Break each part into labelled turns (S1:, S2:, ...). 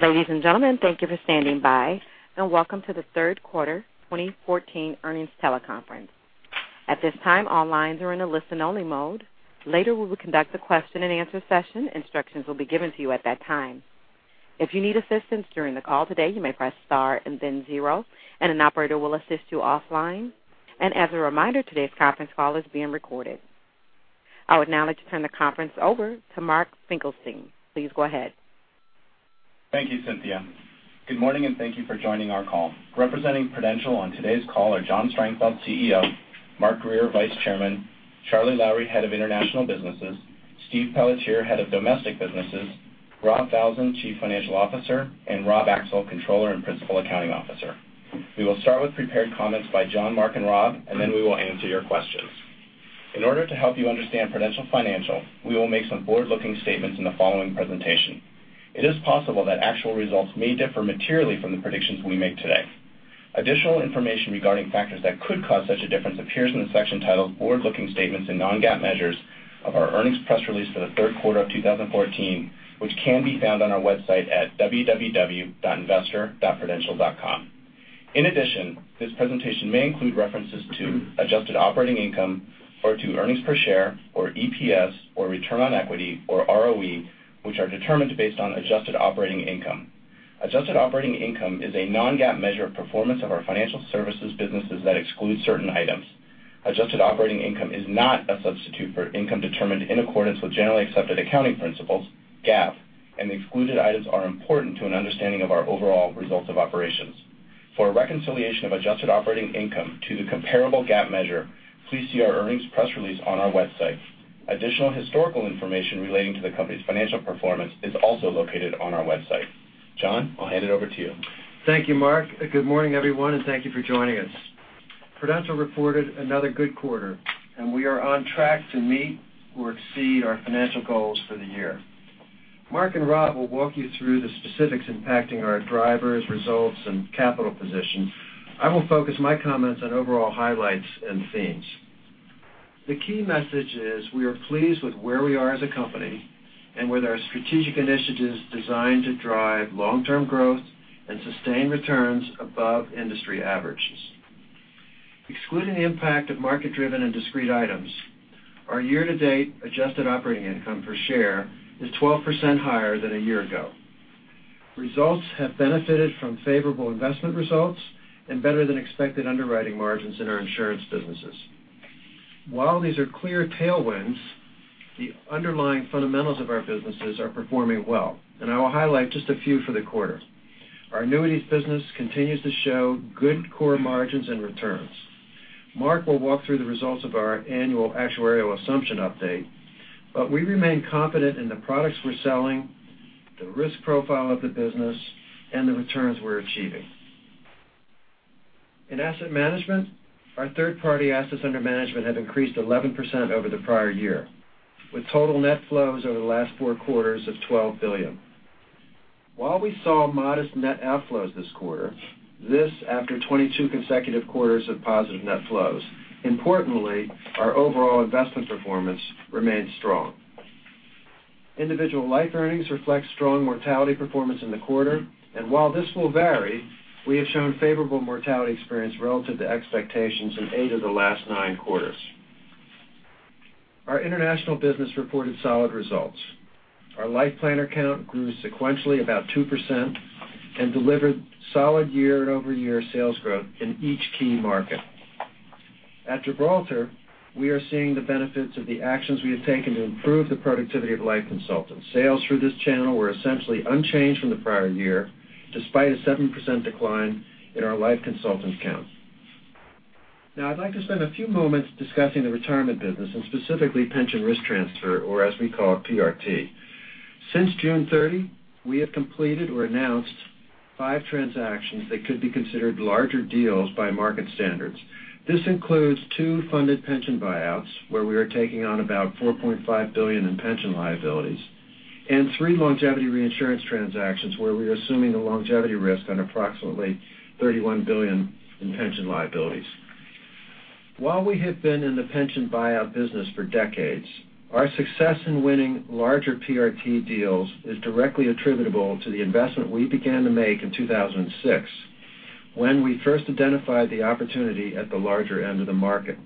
S1: Ladies and gentlemen, thank you for standing by, and welcome to the third quarter 2014 earnings teleconference. At this time, all lines are in a listen-only mode. Later, we will conduct a question-and-answer session. Instructions will be given to you at that time. If you need assistance during the call today, you may press star and then zero, and an operator will assist you offline. As a reminder, today's conference call is being recorded. I would now like to turn the conference over to Mark Finkelstein. Please go ahead.
S2: Thank you, Cynthia. Good morning. Thank you for joining our call. Representing Prudential on today's call are John Strangfeld, CEO; Mark Grier, Vice Chairman; Charlie Lowrey, Head of International Businesses; Steve Pelletier, Head of Domestic Businesses; Rob Falzon, Chief Financial Officer; and Rob Axel, Controller and Principal Accounting Officer. We will start with prepared comments by John, Mark, and Rob. Then we will answer your questions. In order to help you understand Prudential Financial, we will make some forward-looking statements in the following presentation. It is possible that actual results may differ materially from the predictions we make today. Additional information regarding factors that could cause such a difference appears in the section titled Forward-Looking Statements and Non-GAAP Measures of our earnings press release for the third quarter of 2014, which can be found on our website at www.investor.prudential.com. This presentation may include references to adjusted operating income or to earnings per share or EPS or return on equity or ROE, which are determined based on adjusted operating income. Adjusted operating income is a non-GAAP measure of performance of our financial services businesses that excludes certain items. Adjusted operating income is not a substitute for income determined in accordance with generally accepted accounting principles, GAAP. The excluded items are important to an understanding of our overall results of operations. For a reconciliation of adjusted operating income to the comparable GAAP measure, please see our earnings press release on our website. Additional historical information relating to the company's financial performance is also located on our website. John, I'll hand it over to you.
S3: Thank you, Mark. Good morning, everyone. Thank you for joining us. Prudential reported another good quarter. We are on track to meet or exceed our financial goals for the year. Mark and Rob will walk you through the specifics impacting our drivers, results, and capital position. I will focus my comments on overall highlights and themes. The key message is we are pleased with where we are as a company and with our strategic initiatives designed to drive long-term growth and sustain returns above industry averages. Excluding the impact of market-driven and discrete items, our year-to-date adjusted operating income per share is 12% higher than a year ago. Results have benefited from favorable investment results and better than expected underwriting margins in our insurance businesses. While these are clear tailwinds, the underlying fundamentals of our businesses are performing well. I will highlight just a few for the quarter. Our annuities business continues to show good core margins and returns. Mark will walk through the results of our annual actuarial assumption update, but we remain confident in the products we're selling, the risk profile of the business, and the returns we're achieving. In asset management, our third-party assets under management have increased 11% over the prior year, with total net flows over the last four quarters of $12 billion. While we saw modest net outflows this quarter, this after 22 consecutive quarters of positive net flows. Importantly, our overall investment performance remains strong. Individual life earnings reflect strong mortality performance in the quarter, and while this will vary, we have shown favorable mortality experience relative to expectations in eight of the last nine quarters. Our international business reported solid results. Our Life Planner count grew sequentially about 2% and delivered solid year-over-year sales growth in each key market. At Gibraltar, we are seeing the benefits of the actions we have taken to improve the productivity of life consultants. Sales through this channel were essentially unchanged from the prior year, despite a 7% decline in our life consultant count. I'd like to spend a few moments discussing the retirement business and specifically pension risk transfer, or as we call it, PRT. Since June 30, we have completed or announced five transactions that could be considered larger deals by market standards. This includes two funded pension buyouts, where we are taking on about $4.5 billion in pension liabilities, and three longevity reinsurance transactions where we are assuming the longevity risk on approximately $31 billion in pension liabilities. While we have been in the pension buyout business for decades, our success in winning larger PRT deals is directly attributable to the investment we began to make in 2006 when we first identified the opportunity at the larger end of the market.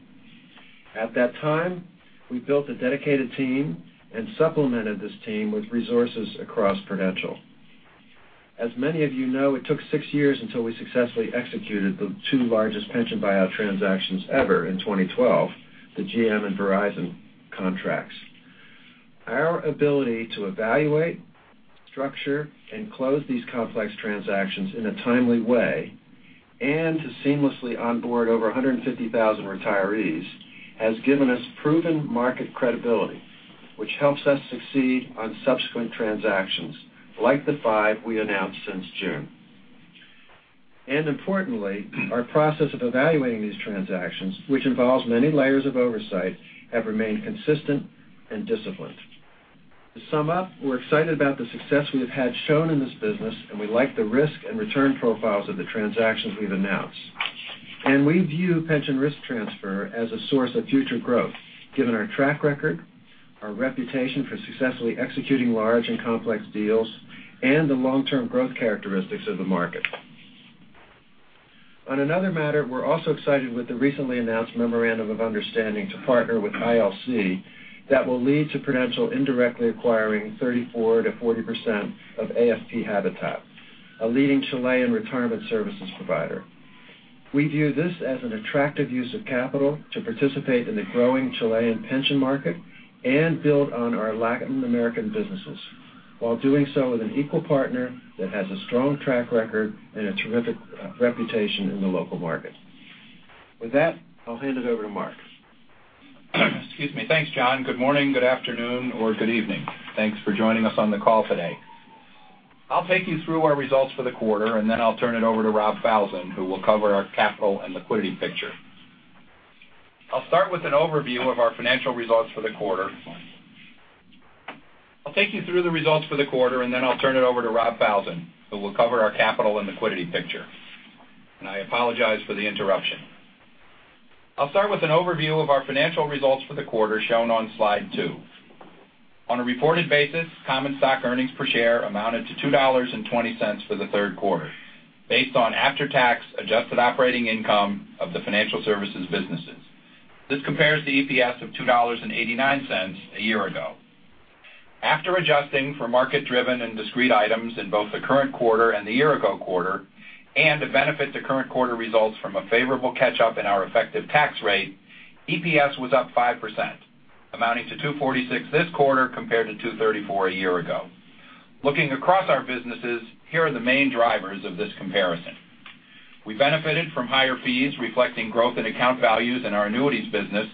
S3: At that time, we built a dedicated team and supplemented this team with resources across Prudential. As many of you know, it took six years until we successfully executed the two largest pension buyout transactions ever in 2012, the GM and Verizon contracts. Our ability to evaluate, structure, and close these complex transactions in a timely way and to seamlessly onboard over 150,000 retirees has given us proven market credibility, which helps us succeed on subsequent transactions like the five we announced since June. Importantly, our process of evaluating these transactions, which involves many layers of oversight, have remained consistent and disciplined. To sum up, we're excited about the success we have had shown in this business, and we like the risk and return profiles of the transactions we've announced. We view pension risk transfer as a source of future growth, given our track record, our reputation for successfully executing large and complex deals, and the long-term growth characteristics of the market. On another matter, we're also excited with the recently announced memorandum of understanding to partner with ILC that will lead to Prudential indirectly acquiring 34% to 40% of AFP Habitat, a leading Chilean retirement services provider. We view this as an attractive use of capital to participate in the growing Chilean pension market and build on our Latin American businesses while doing so with an equal partner that has a strong track record and a terrific reputation in the local market. With that, I'll hand it over to Mark.
S4: Excuse me. Thanks, John. Good morning, good afternoon, or good evening. Thanks for joining us on the call today. I'll take you through our results for the quarter, then I'll turn it over to Rob Falzon, who will cover our capital and liquidity picture. I apologize for the interruption. I'll start with an overview of our financial results for the quarter shown on slide two. On a reported basis, common stock EPS amounted to $2.20 for the third quarter, based on after-tax adjusted operating income of the financial services businesses. This compares to EPS of $2.89 a year ago. After adjusting for market-driven and discrete items in both the current quarter and the year-ago quarter and to benefit the current quarter results from a favorable catch-up in our effective tax rate, EPS was up 5%, amounting to $2.46 this quarter compared to $2.34 a year ago. Looking across our businesses, here are the main drivers of this comparison. We benefited from higher fees reflecting growth in account values in our annuities business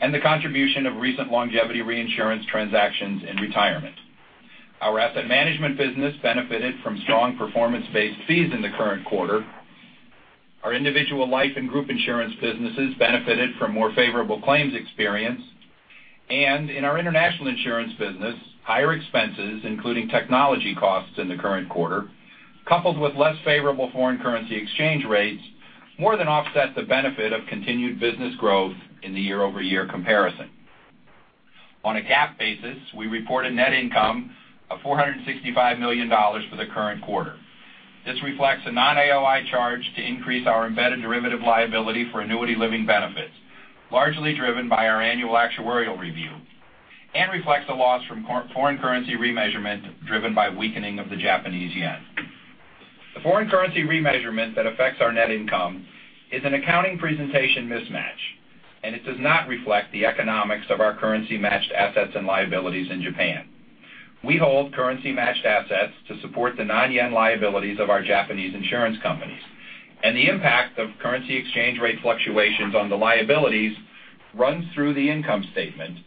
S4: and the contribution of recent longevity reinsurance transactions in retirement. Our asset management business benefited from strong performance-based fees in the current quarter. Our individual life and group insurance businesses benefited from more favorable claims experience. In our international insurance business, higher expenses, including technology costs in the current quarter, coupled with less favorable foreign currency exchange rates, more than offset the benefit of continued business growth in the year-over-year comparison. On a GAAP basis, we report a net income of $465 million for the current quarter. This reflects a non-AOI charge to increase our embedded derivative liability for annuity living benefits, largely driven by our annual actuarial review, and reflects a loss from foreign currency remeasurement driven by weakening of the Japanese yen. The foreign currency remeasurement that affects our net income is an accounting presentation mismatch. It does not reflect the economics of our currency-matched assets and liabilities in Japan. We hold currency-matched assets to support the non-yen liabilities of our Japanese insurance companies. The impact of currency exchange rate fluctuations on the liabilities runs through the income statement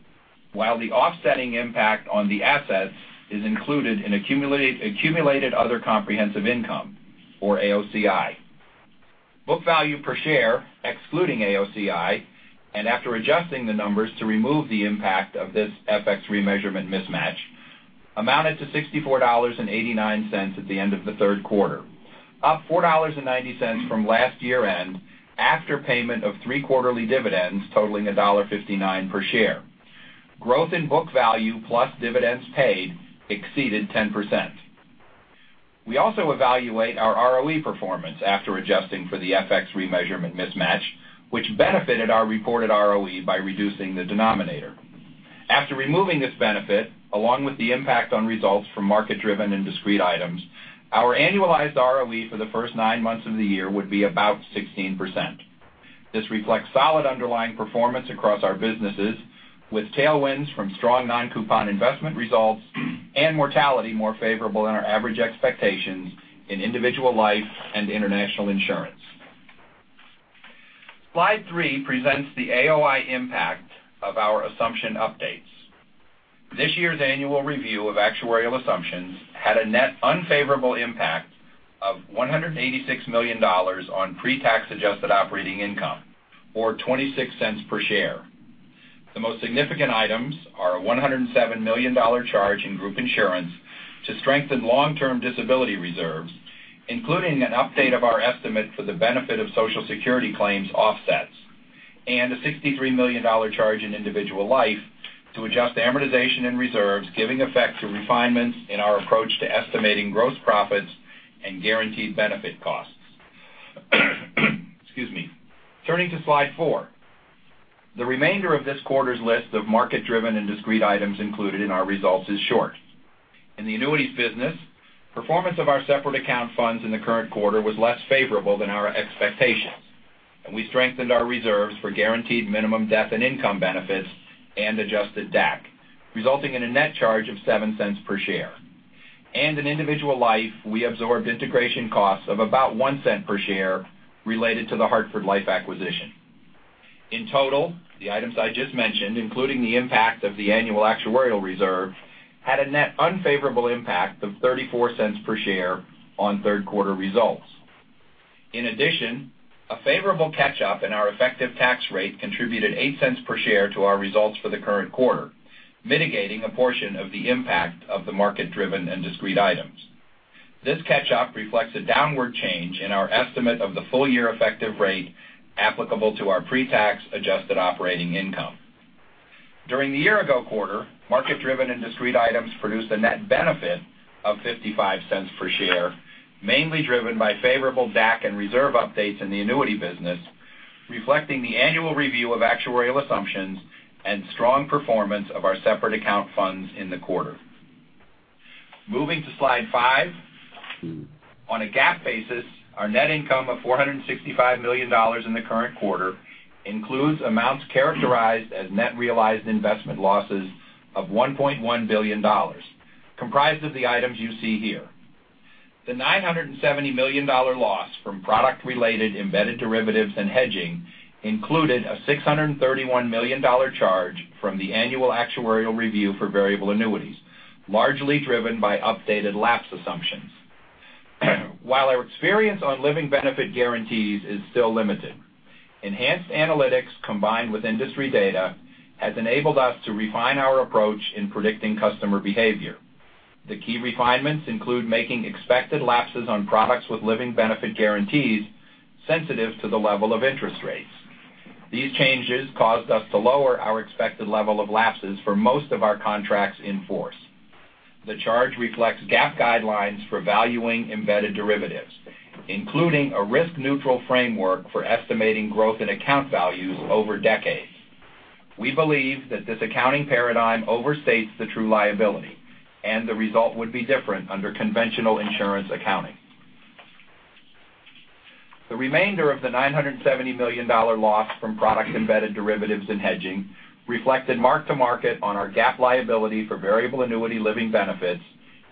S4: while the offsetting impact on the assets is included in accumulated other comprehensive income or AOCI. Book value per share, excluding AOCI, and after adjusting the numbers to remove the impact of this FX remeasurement mismatch, amounted to $64.89 at the end of the third quarter, up $4.90 from last year-end after payment of three quarterly dividends totaling $1.59 per share. Growth in book value plus dividends paid exceeded 10%. We also evaluate our ROE performance after adjusting for the FX remeasurement mismatch, which benefited our reported ROE by reducing the denominator. After removing this benefit, along with the impact on results from market-driven and discrete items, our annualized ROE for the first nine months of the year would be about 16%. This reflects solid underlying performance across our businesses, with tailwinds from strong non-coupon investment results and mortality more favorable than our average expectations in individual life and international insurance. Slide three presents the AOI impact of our assumption updates. This year's annual review of actuarial assumptions had a net unfavorable impact of $186 million on pre-tax adjusted operating income or $0.26 per share. The most significant items are a $107 million charge in group insurance to strengthen long-term disability reserves, including an update of our estimate for the benefit of Social Security claims offsets and a $63 million charge in individual life to adjust amortization in reserves, giving effect to refinements in our approach to estimating gross profits and guaranteed benefit costs. Excuse me. Turning to slide four. The remainder of this quarter's list of market-driven and discrete items included in our results is short. In the annuities business, performance of our separate account funds in the current quarter was less favorable than our expectations, and we strengthened our reserves for guaranteed minimum death and income benefits and adjusted DAC, resulting in a net charge of $0.07 per share. In individual life, we absorbed integration costs of about $0.01 per share related to the Hartford Life acquisition. In total, the items I just mentioned, including the impact of the annual actuarial reserve, had a net unfavorable impact of $0.34 per share on third-quarter results. In addition, a favorable catch-up in our effective tax rate contributed $0.08 per share to our results for the current quarter, mitigating a portion of the impact of the market-driven and discrete items. This catch-up reflects a downward change in our estimate of the full year effective rate applicable to our pre-tax adjusted operating income. During the year ago quarter, market-driven and discrete items produced a net benefit of $0.55 per share, mainly driven by favorable DAC and reserve updates in the annuity business, reflecting the annual review of actuarial assumptions and strong performance of our separate account funds in the quarter. Moving to slide five. On a GAAP basis, our net income of $465 million in the current quarter includes amounts characterized as net realized investment losses of $1.1 billion, comprised of the items you see here. The $970 million loss from product-related embedded derivatives and hedging included a $631 million charge from the annual actuarial review for variable annuities, largely driven by updated lapse assumptions. While our experience on living benefit guarantees is still limited, enhanced analytics combined with industry data has enabled us to refine our approach in predicting customer behavior. The key refinements include making expected lapses on products with living benefit guarantees sensitive to the level of interest rates. These changes caused us to lower our expected level of lapses for most of our contracts in force. The charge reflects GAAP guidelines for valuing embedded derivatives, including a risk-neutral framework for estimating growth in account values over decades. We believe that this accounting paradigm overstates the true liability, and the result would be different under conventional insurance accounting. The remainder of the $970 million loss from product embedded derivatives and hedging reflected mark-to-market on our GAAP liability for variable annuity living benefits,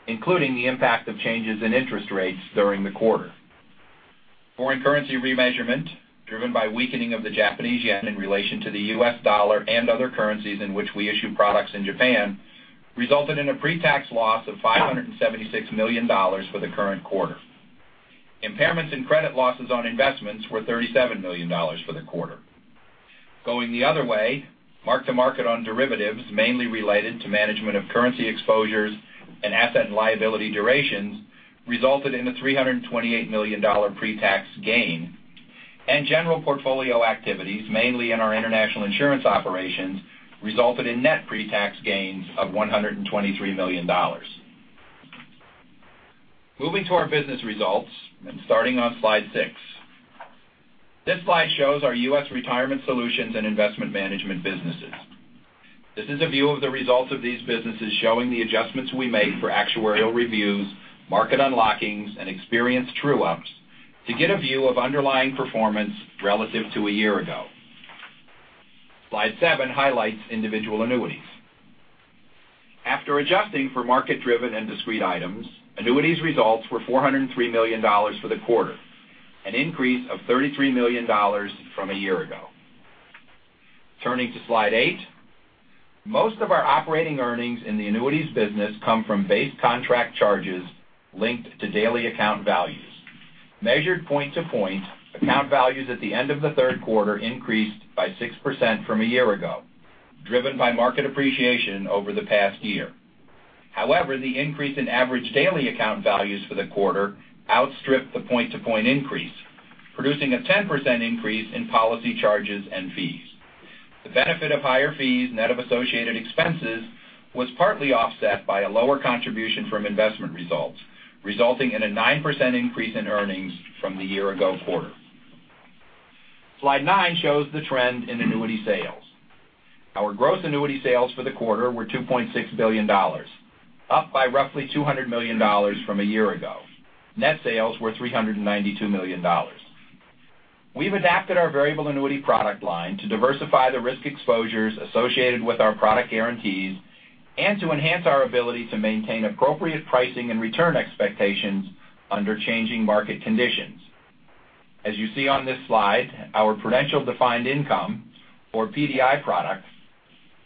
S4: including the impact of changes in interest rates during the quarter. Foreign currency remeasurement, driven by weakening of the Japanese yen in relation to the US dollar and other currencies in which we issue products in Japan, resulted in a pre-tax loss of $576 million for the current quarter. Impairments and credit losses on investments were $37 million for the quarter. Going the other way, mark-to-market on derivatives, mainly related to management of currency exposures and asset and liability durations, resulted in a $328 million pre-tax gain. General portfolio activities, mainly in our international insurance operations, resulted in net pre-tax gains of $123 million. Moving to our business results and starting on slide six. This slide shows our U.S. retirement solutions and investment management businesses. This is a view of the results of these businesses showing the adjustments we made for actuarial reviews, market unlockings, and experience true-ups to get a view of underlying performance relative to a year ago. Slide seven highlights individual annuities. After adjusting for market-driven and discrete items, annuities results were $403 million for the quarter, an increase of $33 million from a year ago. Turning to slide eight. Most of our operating earnings in the annuities business come from base contract charges linked to daily account values. Measured point to point, account values at the end of the third quarter increased by 6% from a year ago, driven by market appreciation over the past year. The increase in average daily account values for the quarter outstripped the point-to-point increase, producing a 10% increase in policy charges and fees. The benefit of higher fees, net of associated expenses, was partly offset by a lower contribution from investment results, resulting in a 9% increase in earnings from the year ago quarter. Slide nine shows the trend in annuity sales. Our gross annuity sales for the quarter were $2.6 billion, up by roughly $200 million from a year ago. Net sales were $392 million. We've adapted our variable annuity product line to diversify the risk exposures associated with our product guarantees and to enhance our ability to maintain appropriate pricing and return expectations under changing market conditions. As you see on this slide, our Prudential Defined Income, or PDI product,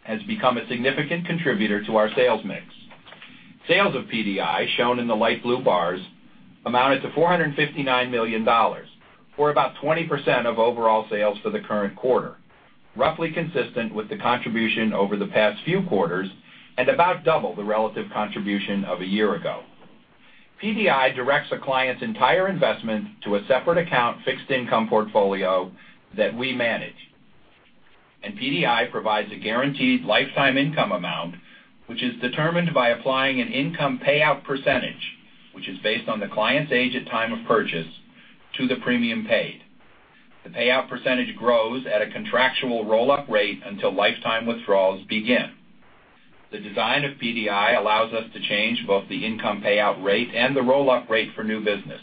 S4: has become a significant contributor to our sales mix. Sales of PDI, shown in the light blue bars, amounted to $459 million, or about 20% of overall sales for the current quarter, roughly consistent with the contribution over the past few quarters, and about double the relative contribution of a year ago. PDI directs a client's entire investment to a separate account fixed income portfolio that we manage. PDI provides a guaranteed lifetime income amount, which is determined by applying an income payout percentage, which is based on the client's age at time of purchase to the premium paid. The payout percentage grows at a contractual roll-up rate until lifetime withdrawals begin. The design of PDI allows us to change both the income payout rate and the roll-up rate for new business,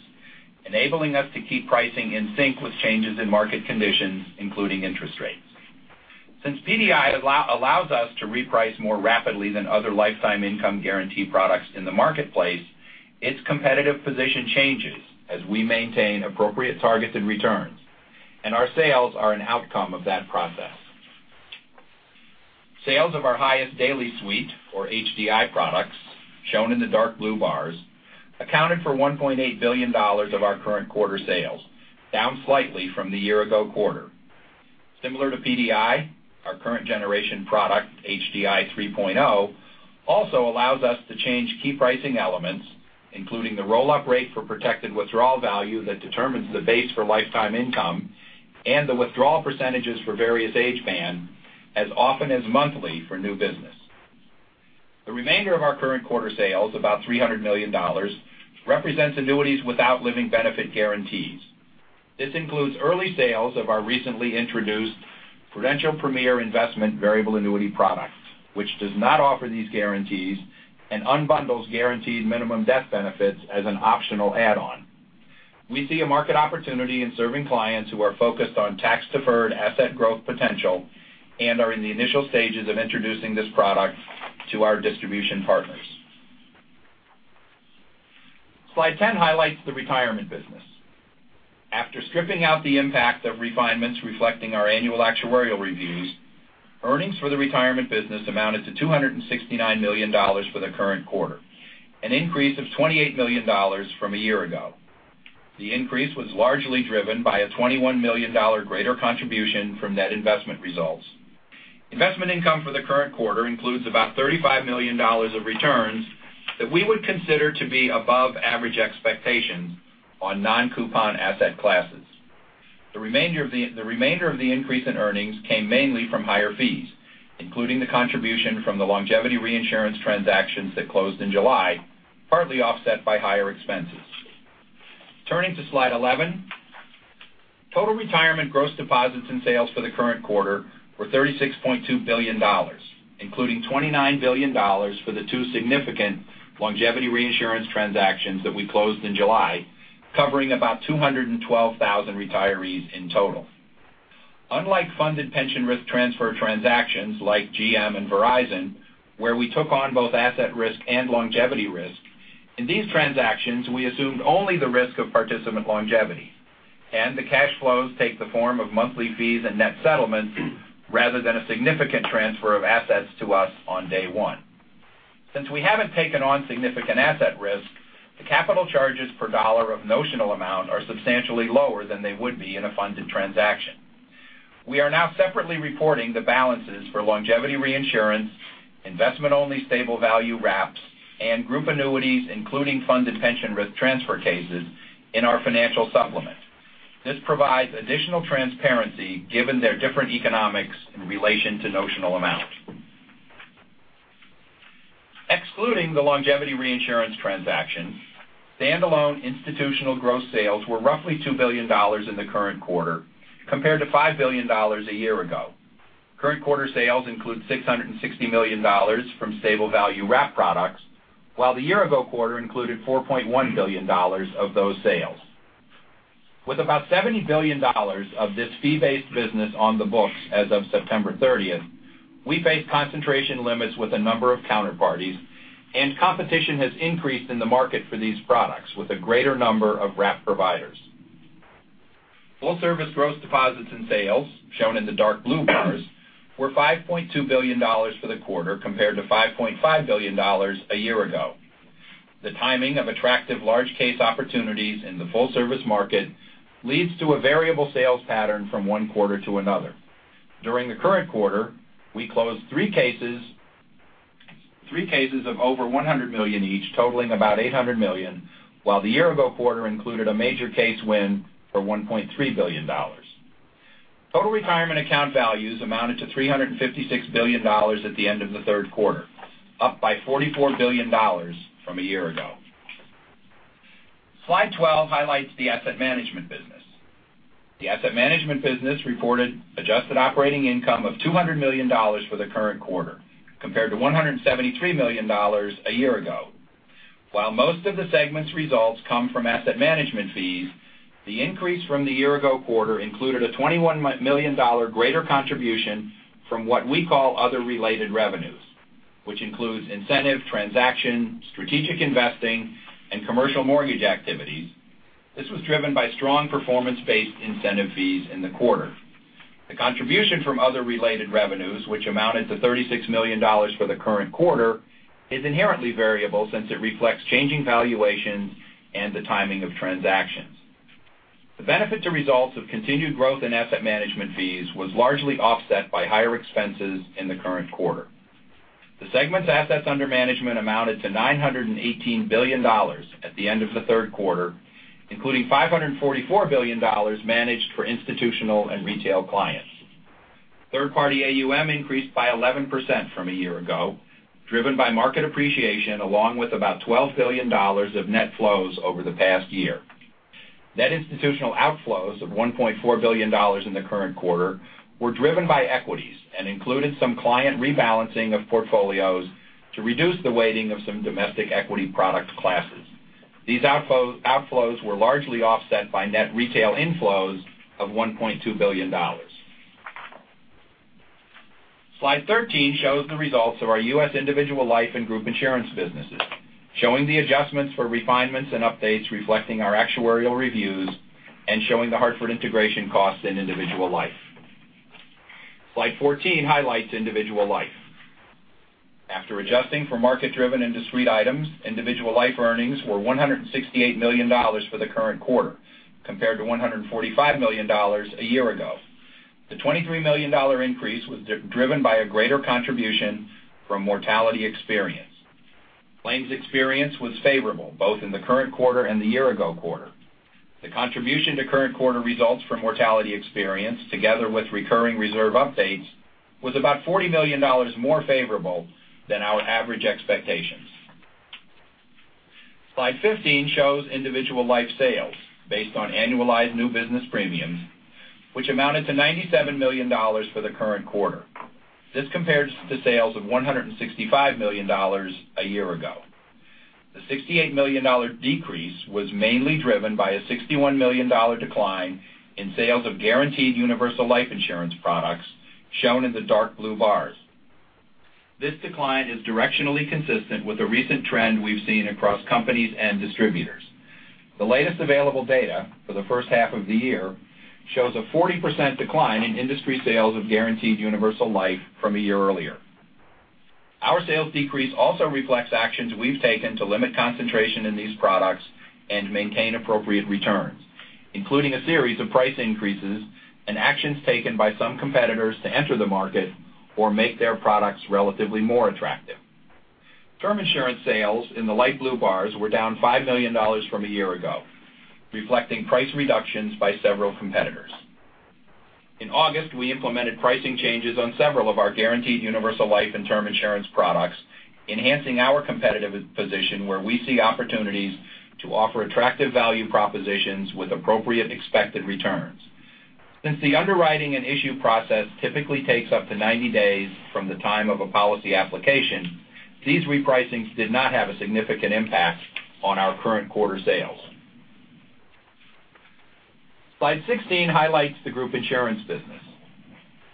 S4: enabling us to keep pricing in sync with changes in market conditions, including interest rates. Since PDI allows us to reprice more rapidly than other lifetime income guarantee products in the marketplace, its competitive position changes as we maintain appropriate targeted returns, and our sales are an outcome of that process. Sales of our Highest Daily Suite, or HDI products, shown in the dark blue bars, accounted for $1.8 billion of our current quarter sales, down slightly from the year ago quarter. Similar to PDI, our current generation product, HDI 3.0, also allows us to change key pricing elements, including the roll-up rate for protected withdrawal value that determines the base for lifetime income and the withdrawal percentages for various age band as often as monthly for new business. The remainder of our current quarter sales, about $300 million, represents annuities without living benefit guarantees. This includes early sales of our recently introduced Prudential Premier Investment variable annuity product, which does not offer these guarantees and unbundles guaranteed minimum death benefits as an optional add-on. We see a market opportunity in serving clients who are focused on tax-deferred asset growth potential and are in the initial stages of introducing this product to our distribution partners. Slide 10 highlights the retirement business. After stripping out the impact of refinements reflecting our annual actuarial reviews, earnings for the retirement business amounted to $269 million for the current quarter, an increase of $28 million from a year ago. The increase was largely driven by a $21 million greater contribution from net investment results. Investment income for the current quarter includes about $35 million of returns that we would consider to be above average expectations on non-coupon asset classes. The remainder of the increase in earnings came mainly from higher fees, including the contribution from the longevity reinsurance transactions that closed in July, partly offset by higher expenses. Turning to slide 11. Total retirement gross deposits and sales for the current quarter were $36.2 billion, including $29 billion for the two significant longevity reinsurance transactions that we closed in July, covering about 212,000 retirees in total. Unlike funded pension risk transfer transactions like GM and Verizon, where we took on both asset risk and longevity risk, in these transactions, we assumed only the risk of participant longevity, and the cash flows take the form of monthly fees and net settlements rather than a significant transfer of assets to us on day one. Since we haven't taken on significant asset risk, the capital charges per dollar of notional amount are substantially lower than they would be in a funded transaction. We are now separately reporting the balances for longevity reinsurance, investment-only stable value wraps, and group annuities, including funded pension risk transfer cases in our financial supplement. This provides additional transparency given their different economics in relation to notional amount. Excluding the longevity reinsurance transaction, standalone institutional gross sales were roughly $2 billion in the current quarter compared to $5 billion a year ago. Current quarter sales include $660 million from stable value wrap products, while the year ago quarter included $4.1 billion of those sales. With about $70 billion of this fee-based business on the books as of September 30th, we face concentration limits with a number of counterparties, and competition has increased in the market for these products with a greater number of wrap providers. Full service gross deposits and sales, shown in the dark blue bars, were $5.2 billion for the quarter compared to $5.5 billion a year ago. The timing of attractive large case opportunities in the full service market leads to a variable sales pattern from one quarter to another. During the current quarter, we closed three cases of over $100 million each, totaling about $800 million, while the year ago quarter included a major case win for $1.3 billion. Total retirement account values amounted to $356 billion at the end of the third quarter, up by $44 billion from a year ago. Slide 12 highlights the asset management business. The asset management business reported adjusted operating income of $200 million for the current quarter, compared to $173 million a year ago. While most of the segment's results come from asset management fees, the increase from the year ago quarter included a $21 million greater contribution from what we call other related revenues, which includes incentive, transaction, strategic investing, and commercial mortgage activities. This was driven by strong performance-based incentive fees in the quarter. The contribution from other related revenues, which amounted to $36 million for the current quarter, is inherently variable since it reflects changing valuations and the timing of transactions. The benefit to results of continued growth in asset management fees was largely offset by higher expenses in the current quarter. The segment's assets under management amounted to $918 billion at the end of the third quarter, including $544 billion managed for institutional and retail clients. Third party AUM increased by 11% from a year ago, driven by market appreciation, along with about $12 billion of net flows over the past year. Net institutional outflows of $1.4 billion in the current quarter were driven by equities and included some client rebalancing of portfolios to reduce the weighting of some domestic equity product classes. These outflows were largely offset by net retail inflows of $1.2 billion. Slide 13 shows the results of our U.S. individual life and group insurance businesses, showing the adjustments for refinements and updates reflecting our actuarial reviews and showing the Hartford integration cost in individual life. Slide 14 highlights individual life. After adjusting for market-driven and discrete items, individual life earnings were $168 million for the current quarter, compared to $145 million a year ago. The $23 million increase was driven by a greater contribution from mortality experience. Claims experience was favorable, both in the current quarter and the year-ago quarter. The contribution to current quarter results from mortality experience, together with recurring reserve updates, was about $40 million more favorable than our average expectations. Slide 15 shows individual life sales based on annualized new business premiums, which amounted to $97 million for the current quarter. This compares to sales of $165 million a year ago. The $68 million decrease was mainly driven by a $61 million decline in sales of guaranteed universal life insurance products, shown in the dark blue bars. This decline is directionally consistent with the recent trend we've seen across companies and distributors. The latest available data for the first half of the year shows a 40% decline in industry sales of guaranteed universal life from a year earlier. Our sales decrease also reflects actions we've taken to limit concentration in these products and maintain appropriate returns, including a series of price increases and actions taken by some competitors to enter the market or make their products relatively more attractive. Term insurance sales in the light blue bars were down $5 million from a year ago, reflecting price reductions by several competitors. In August, we implemented pricing changes on several of our guaranteed universal life and term insurance products, enhancing our competitive position where we see opportunities to offer attractive value propositions with appropriate expected returns. Since the underwriting and issue process typically takes up to 90 days from the time of a policy application, these repricings did not have a significant impact on our current quarter sales. Slide 16 highlights the group insurance business.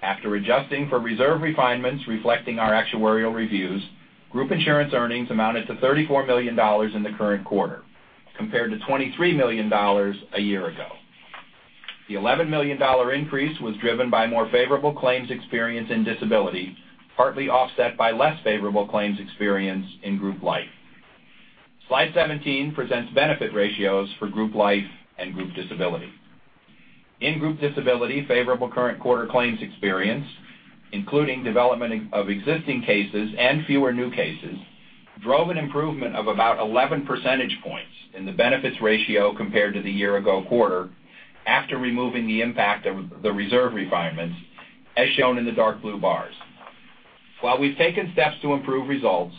S4: After adjusting for reserve refinements reflecting our actuarial reviews, group insurance earnings amounted to $34 million in the current quarter, compared to $23 million a year ago. The $11 million increase was driven by more favorable claims experience and disability, partly offset by less favorable claims experience in group life. Slide 17 presents benefit ratios for group life and group disability. In group disability, favorable current quarter claims experience, including development of existing cases and fewer new cases, drove an improvement of about 11 percentage points in the benefits ratio compared to the year-ago quarter after removing the impact of the reserve refinements, as shown in the dark blue bars. While we've taken steps to improve results,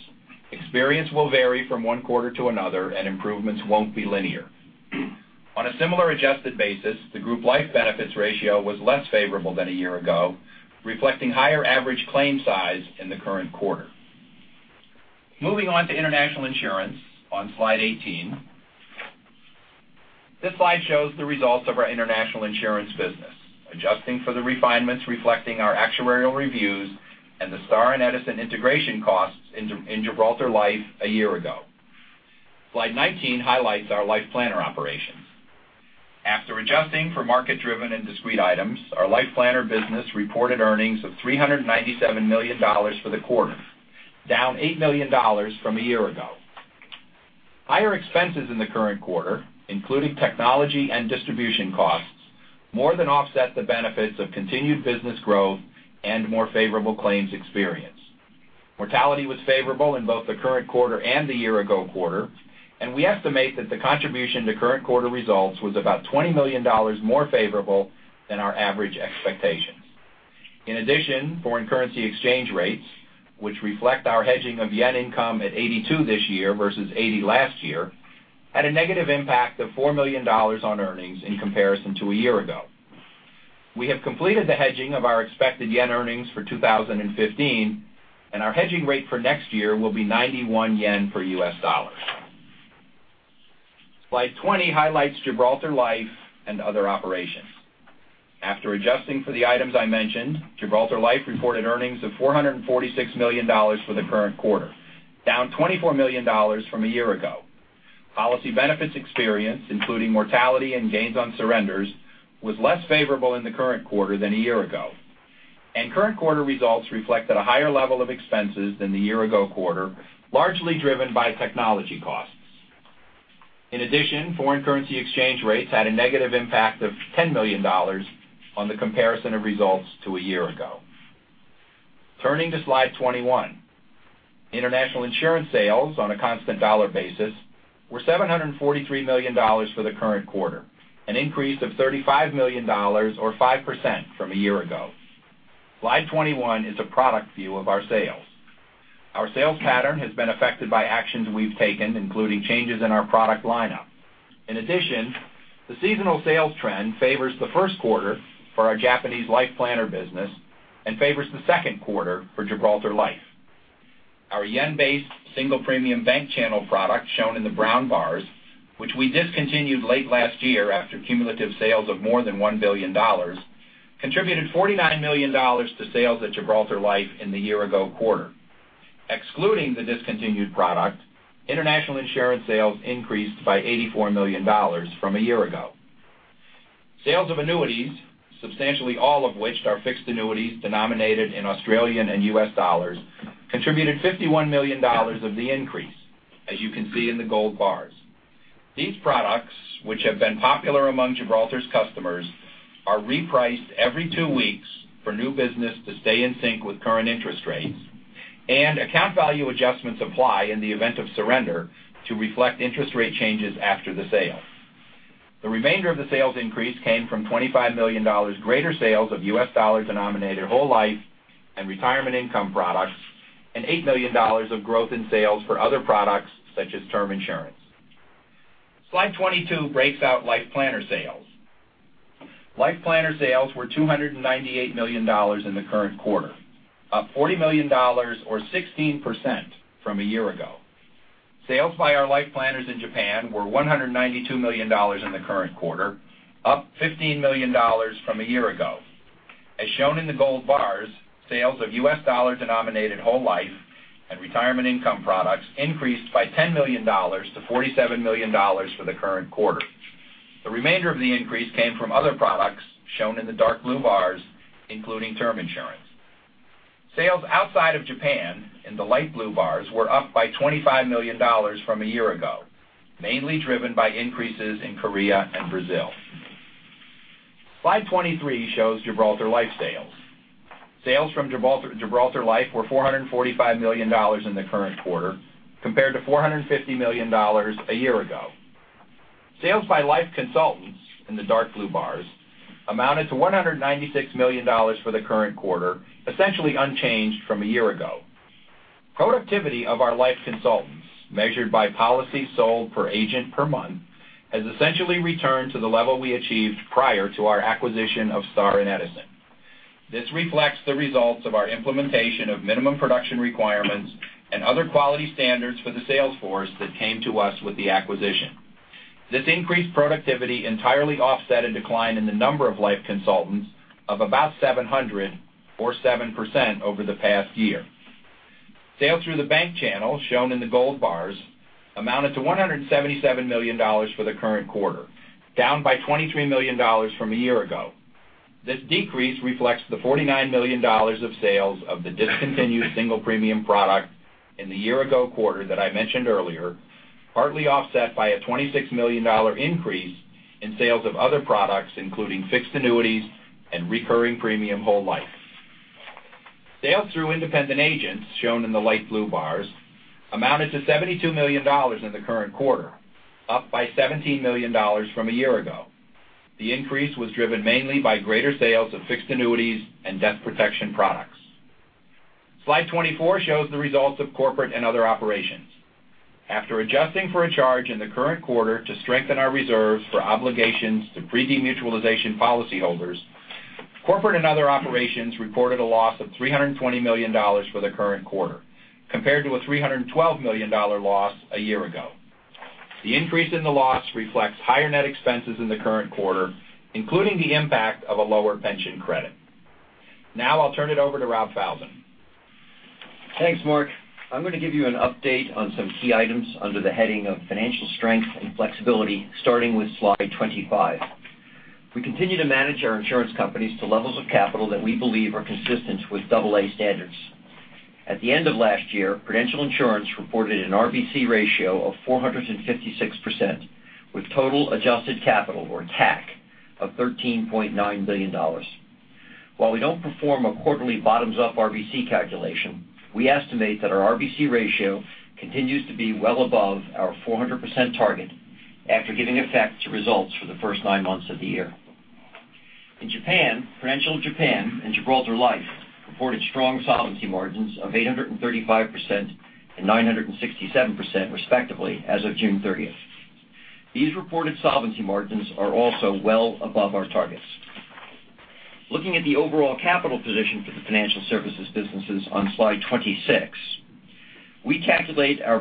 S4: experience will vary from one quarter to another and improvements won't be linear. On a similar adjusted basis, the group life benefits ratio was less favorable than a year ago, reflecting higher average claim size in the current quarter. Moving on to international insurance on slide 18. This slide shows the results of our international insurance business, adjusting for the refinements reflecting our actuarial reviews and the Star & Edison integration costs in Gibraltar Life a year ago. Slide 19 highlights our LifePlanner operations. After adjusting for market-driven and discrete items, our LifePlanner business reported earnings of $397 million for the quarter, down $8 million from a year ago. Higher expenses in the current quarter, including technology and distribution costs, more than offset the benefits of continued business growth and more favorable claims experience. Mortality was favorable in both the current quarter and the year-ago quarter. We estimate that the contribution to current quarter results was about $20 million more favorable than our average expectations. In addition, foreign currency exchange rates, which reflect our hedging of JPY income at 82 this year versus 80 last year, had a negative impact of $4 million on earnings in comparison to a year ago. We have completed the hedging of our expected JPY earnings for 2015, and our hedging rate for next year will be 91 yen per US dollar. Slide 20 highlights Gibraltar Life and other operations. After adjusting for the items I mentioned, Gibraltar Life reported earnings of $446 million for the current quarter, down $24 million from a year ago. Policy benefits experience, including mortality and gains on surrenders, was less favorable in the current quarter than a year ago. Current quarter results reflected a higher level of expenses than the year-ago quarter, largely driven by technology costs. In addition, foreign currency exchange rates had a negative impact of $10 million on the comparison of results to a year ago. Turning to slide 21. International insurance sales on a constant dollar basis were $743 million for the current quarter, an increase of $35 million or 5% from a year ago. Slide 21 is a product view of our sales. Our sales pattern has been affected by actions we've taken, including changes in our product lineup. In addition, the seasonal sales trend favors the first quarter for our Japanese LifePlanner business and favors the second quarter for Gibraltar Life. Our yen-based single premium bank channel product, shown in the brown bars, which we discontinued late last year after cumulative sales of more than $1 billion, contributed $49 million to sales at Gibraltar Life in the year-ago quarter. Excluding the discontinued product, international insurance sales increased by $84 million from a year ago. Sales of annuities, substantially all of which are fixed annuities denominated in AUD and US dollars, contributed $51 million of the increase, as you can see in the gold bars. These products, which have been popular among Gibraltar's customers, are repriced every two weeks for new business to stay in sync with current interest rates and account value adjustments apply in the event of surrender to reflect interest rate changes after the sale. The remainder of the sales increase came from $25 million greater sales of US dollar-denominated whole life and retirement income products and $8 million of growth in sales for other products such as term insurance. Slide 22 breaks out Life Planner sales. Life Planner sales were $298 million in the current quarter, up $40 million or 16% from a year ago. Sales by our Life Planners in Japan were $192 million in the current quarter, up $15 million from a year ago. As shown in the gold bars, sales of US dollar-denominated whole life and retirement income products increased by $10 million to $47 million for the current quarter. The remainder of the increase came from other products shown in the dark blue bars, including term insurance. Sales outside of Japan, in the light blue bars, were up by $25 million from a year ago, mainly driven by increases in Korea and Brazil. Slide 23 shows Gibraltar Life sales. Sales from Gibraltar Life were $445 million in the current quarter, compared to $450 million a year ago. Sales by life consultants, in the dark blue bars, amounted to $196 million for the current quarter, essentially unchanged from a year ago. Productivity of our life consultants, measured by policy sold per agent per month, has essentially returned to the level we achieved prior to our acquisition of Star & Edison. This reflects the results of our implementation of minimum production requirements and other quality standards for the sales force that came to us with the acquisition. This increased productivity entirely offset a decline in the number of life consultants of about 700 or 7% over the past year. Sales through the bank channel, shown in the gold bars, amounted to $177 million for the current quarter, down by $23 million from a year ago. This decrease reflects the $49 million of sales of the discontinued single premium product in the year-ago quarter that I mentioned earlier, partly offset by a $26 million increase in sales of other products, including fixed annuities and recurring premium whole life. Sales through independent agents, shown in the light blue bars, amounted to $72 million in the current quarter, up by $17 million from a year ago. The increase was driven mainly by greater sales of fixed annuities and death protection products. Slide 24 shows the results of corporate and other operations. After adjusting for a charge in the current quarter to strengthen our reserves for obligations to pre-demutualization policyholders, corporate and other operations reported a loss of $320 million for the current quarter, compared to a $312 million loss a year ago. The increase in the loss reflects higher net expenses in the current quarter, including the impact of a lower pension credit. I'll turn it over to Rob Falzon.
S5: Thanks, Mark. I'm going to give you an update on some key items under the heading of financial strength and flexibility, starting with slide 25. We continue to manage our insurance companies to levels of capital that we believe are consistent with double A standards. At the end of last year, Prudential Insurance reported an RBC ratio of 456%, with total adjusted capital, or TAC, of $13.9 billion. While we don't perform a quarterly bottoms-up RBC calculation, we estimate that our RBC ratio continues to be well above our 400% target after giving effect to results for the first nine months of the year. In Japan, Prudential Japan and Gibraltar Life reported strong solvency margins of 835% and 967%, respectively, as of June 30th. These reported solvency margins are also well above our targets. Looking at the overall capital position for the financial services businesses on slide 26, we calculate our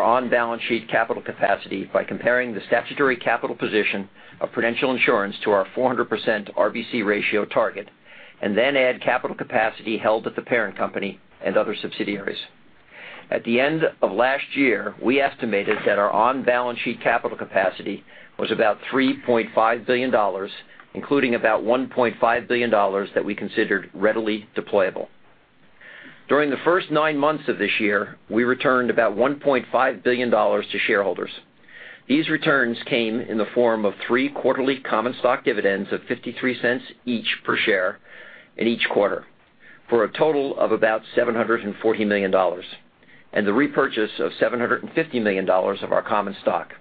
S5: on-balance sheet capital capacity by comparing the statutory capital position of Prudential Insurance to our 400% RBC ratio target, and then add capital capacity held at the parent company and other subsidiaries. At the end of last year, we estimated that our on-balance sheet capital capacity was about $3.5 billion, including about $1.5 billion that we considered readily deployable. During the first nine months of this year, we returned about $1.5 billion to shareholders. These returns came in the form of three quarterly common stock dividends of $0.53 each per share in each quarter for a total of about $740 million, and the repurchase of $750 million of our common stock.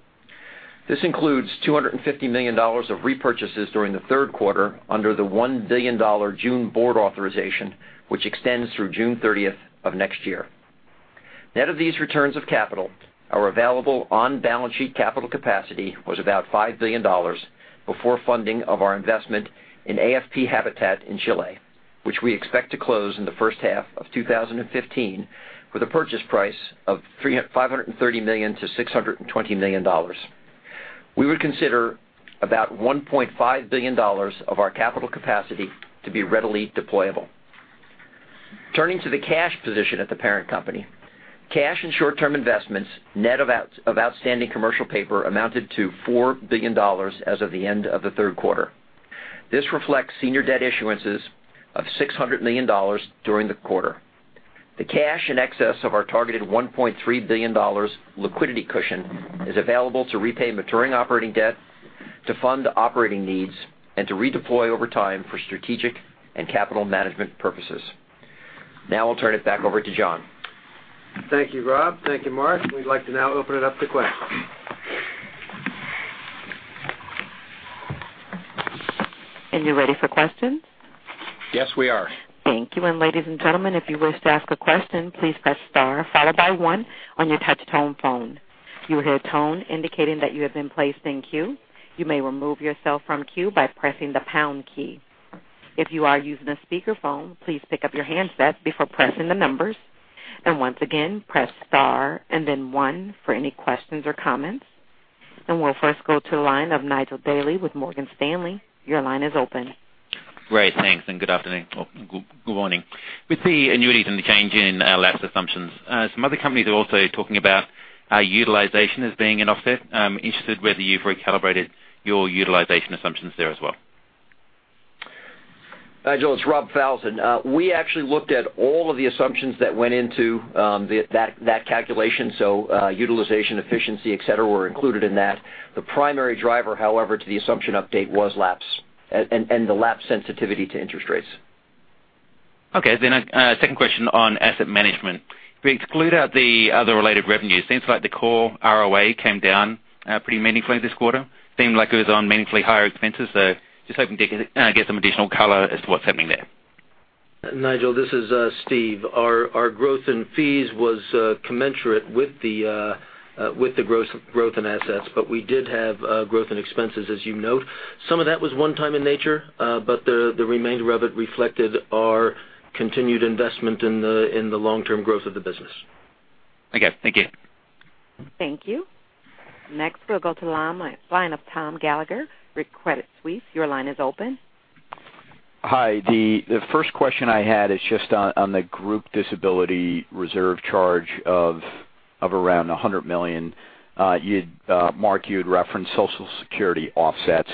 S5: This includes $250 million of repurchases during the third quarter under the $1 billion June board authorization, which extends through June 30th of next year. Net of these returns of capital, our available on-balance sheet capital capacity was about $5 billion before funding of our investment in AFP Habitat in Chile, which we expect to close in the first half of 2015 with a purchase price of $530 million to $620 million. We would consider about $1.5 billion of our capital capacity to be readily deployable. Turning to the cash position at the parent company. Cash and short-term investments, net of outstanding commercial paper, amounted to $4 billion as of the end of the third quarter. This reflects senior debt issuances of $600 million during the quarter. The cash in excess of our targeted $1.3 billion liquidity cushion is available to repay maturing operating debt, to fund operating needs, and to redeploy over time for strategic and capital management purposes. Now I'll turn it back over to John.
S6: Thank you, Rob. Thank you, Mark. We'd like to now open it up to questions.
S1: You're ready for questions?
S5: Yes, we are.
S1: Thank you. Ladies and gentlemen, if you wish to ask a question, please press star followed by one on your touch tone phone. You'll hear a tone indicating that you have been placed in queue. You may remove yourself from queue by pressing the pound key. If you are using a speakerphone, please pick up your handset before pressing the numbers. Once again, press star and then one for any questions or comments. We'll first go to the line of Nigel Daly with Morgan Stanley. Your line is open.
S7: Great. Thanks, and good afternoon or good morning. With the annuities and the change in lapse assumptions, some other companies are also talking about utilization as being an offset. I'm interested whether you've recalibrated your utilization assumptions there as well.
S5: Nigel, it's Robert Falzon. We actually looked at all of the assumptions that went into that calculation. Utilization, efficiency, et cetera, were included in that. The primary driver, however, to the assumption update was lapse and the lapse sensitivity to interest rates.
S7: Okay, a second question on asset management. If we exclude out the other related revenues, seems like the core ROA came down pretty meaningfully this quarter. Seemed like it was on meaningfully higher expenses, just hoping to get some additional color as to what's happening there.
S6: Nigel, this is Steve. Our growth in fees was commensurate with the growth in assets, we did have growth in expenses, as you note. Some of that was one-time in nature, the remainder of it reflected our continued investment in the long-term growth of the business.
S7: Okay, thank you.
S1: Thank you. Next, we'll go to the line of Thomas Gallagher with Credit Suisse. Your line is open.
S8: Hi. The first question I had is just on the group disability reserve charge of around $100 million. Mark, you had referenced Social Security offsets.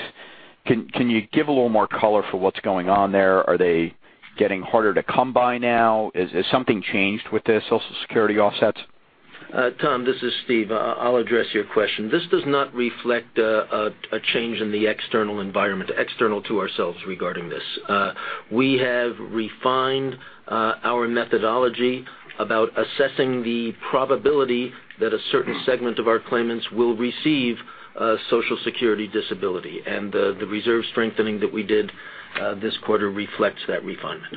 S8: Can you give a little more color for what's going on there? Are they getting harder to come by now? Has something changed with the Social Security offsets?
S6: Tom, this is Steve. I'll address your question. This does not reflect a change in the external environment, external to ourselves regarding this. We have refined our methodology about assessing the probability that a certain segment of our claimants will receive Social Security disability, and the reserve strengthening that we did this quarter reflects that refinement.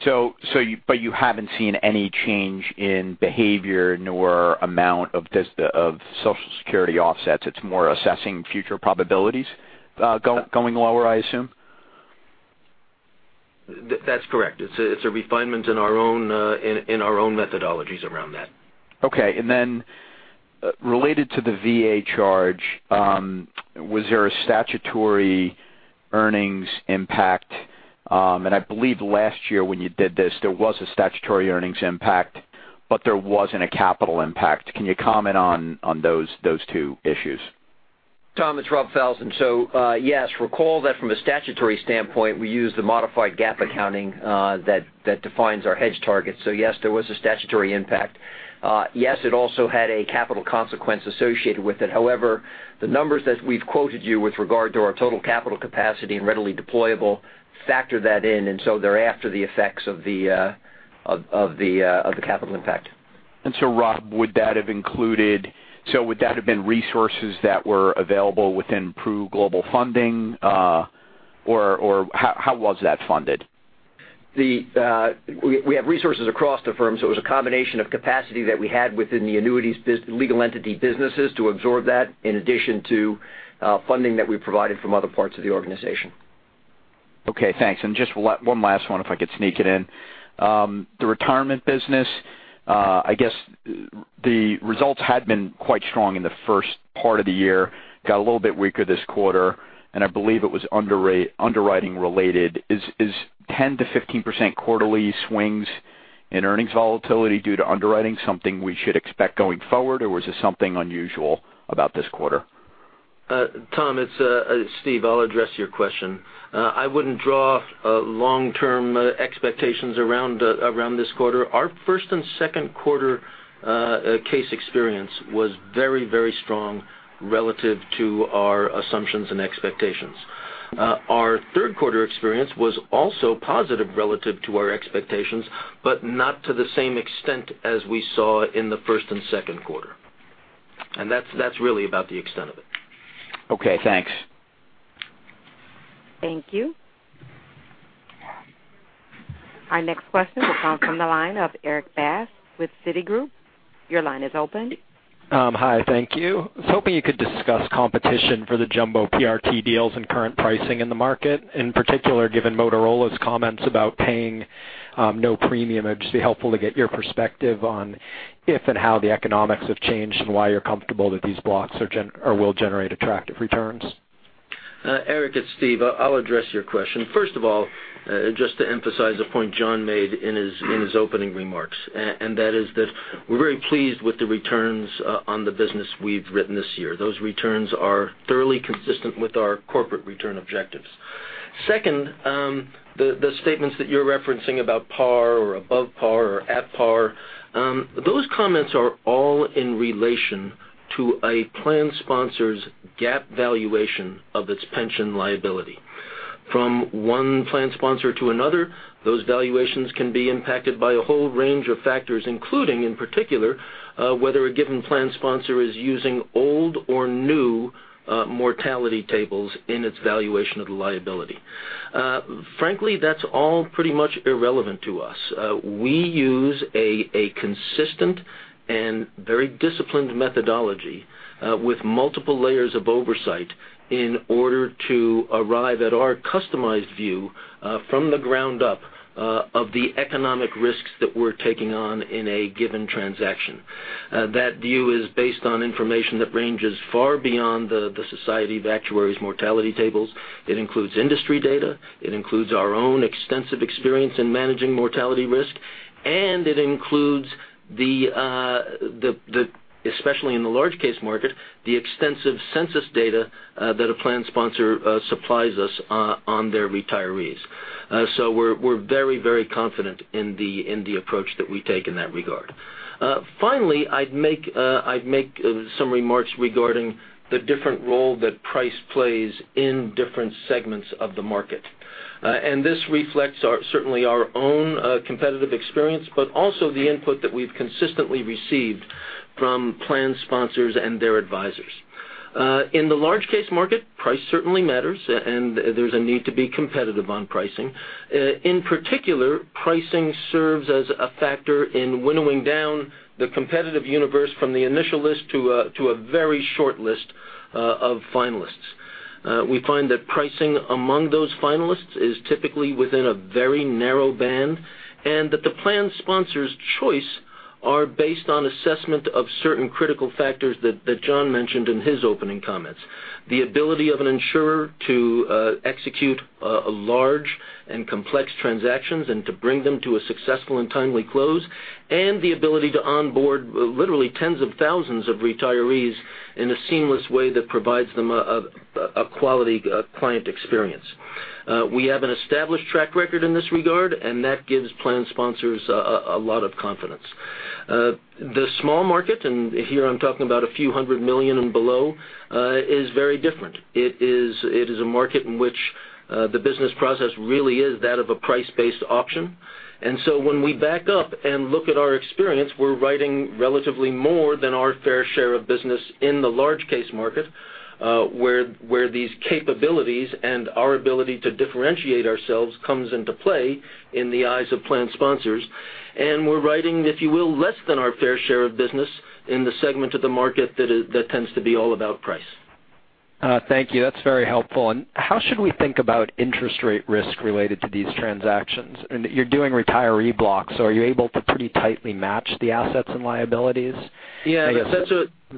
S8: You haven't seen any change in behavior nor amount of Social Security offsets. It's more assessing future probabilities going lower, I assume?
S6: That's correct. It's a refinement in our own methodologies around that.
S8: Okay. Then related to the VA charge, was there a statutory earnings impact? I believe last year when you did this, there was a statutory earnings impact, but there wasn't a capital impact. Can you comment on those two issues?
S5: Tom, it's Robert Falzon. Yes, recall that from a statutory standpoint, we use the modified GAAP accounting that defines our hedge target. Yes, there was a statutory impact. Yes, it also had a capital consequence associated with it. However, the numbers that we've quoted you with regard to our total capital capacity and readily deployable factor that in, thereafter the effects of the capital impact.
S8: Rob, would that have been resources that were available within Pru Global Funding? How was that funded?
S5: We have resources across the firm, it was a combination of capacity that we had within the annuities legal entity businesses to absorb that in addition to funding that we provided from other parts of the organization.
S8: Okay, thanks. Just one last one, if I could sneak it in. The retirement business, I guess the results had been quite strong in the first part of the year, got a little bit weaker this quarter, and I believe it was underwriting related. Is 10%-15% quarterly swings in earnings volatility due to underwriting something we should expect going forward, was this something unusual about this quarter?
S6: Tom, it's Steve. I'll address your question. I wouldn't draw long-term expectations around this quarter. Our first and second quarter case experience was very strong relative to our assumptions and expectations. Our third quarter experience was also positive relative to our expectations, but not to the same extent as we saw in the first and second quarter. That's really about the extent of it.
S8: Okay, thanks.
S1: Thank you. Our next question will come from the line of Erik Bass with Citigroup. Your line is open.
S9: Hi, thank you. I was hoping you could discuss competition for the jumbo PRT deals and current pricing in the market, in particular given Motorola's comments about paying no premium. It'd just be helpful to get your perspective on if and how the economics have changed and why you're comfortable that these blocks will generate attractive returns.
S6: Erik, it's Steve. I'll address your question. First of all, just to emphasize a point John made in his opening remarks, that is that we're very pleased with the returns on the business we've written this year. Those returns are thoroughly consistent with our corporate return objectives. Second, the statements that you're referencing about par or above par or at par, those comments are all in relation to a plan sponsor's GAAP valuation of its pension liability. From one plan sponsor to another, those valuations can be impacted by a whole range of factors, including, in particular, whether a given plan sponsor is using old or new mortality tables in its valuation of the liability. Frankly, that's all pretty much irrelevant to us. We use a consistent and very disciplined methodology with multiple layers of oversight in order to arrive at our customized view, from the ground up, of the economic risks that we're taking on in a given transaction. That view is based on information that ranges far beyond the Society of Actuaries mortality tables. It includes industry data, it includes our own extensive experience in managing mortality risk, it includes the, especially in the large case market, the extensive census data that a plan sponsor supplies us on their retirees. We're very confident in the approach that we take in that regard. Finally, I'd make some remarks regarding the different role that price plays in different segments of the market. This reflects certainly our own competitive experience, but also the input that we've consistently received from plan sponsors and their advisors. In the large case market, price certainly matters, and there's a need to be competitive on pricing. In particular, pricing serves as a factor in winnowing down the competitive universe from the initial list to a very short list of finalists. We find that pricing among those finalists is typically within a very narrow band, and that the plan sponsor's choice are based on assessment of certain critical factors that John mentioned in his opening comments. The ability of an insurer to execute large and complex transactions and to bring them to a successful and timely close, and the ability to onboard literally tens of thousands of retirees in a seamless way that provides them a quality client experience. We have an established track record in this regard, and that gives plan sponsors a lot of confidence. The small market, here I'm talking about a few hundred million and below, is very different. It is a market in which the business process really is that of a price-based option. When we back up and look at our experience, we're writing relatively more than our fair share of business in the large case market, where these capabilities and our ability to differentiate ourselves comes into play in the eyes of plan sponsors. We're writing, if you will, less than our fair share of business in the segment of the market that tends to be all about price.
S9: Thank you. That's very helpful. How should we think about interest rate risk related to these transactions? You're doing retiree blocks, so are you able to pretty tightly match the assets and liabilities?
S6: Yeah,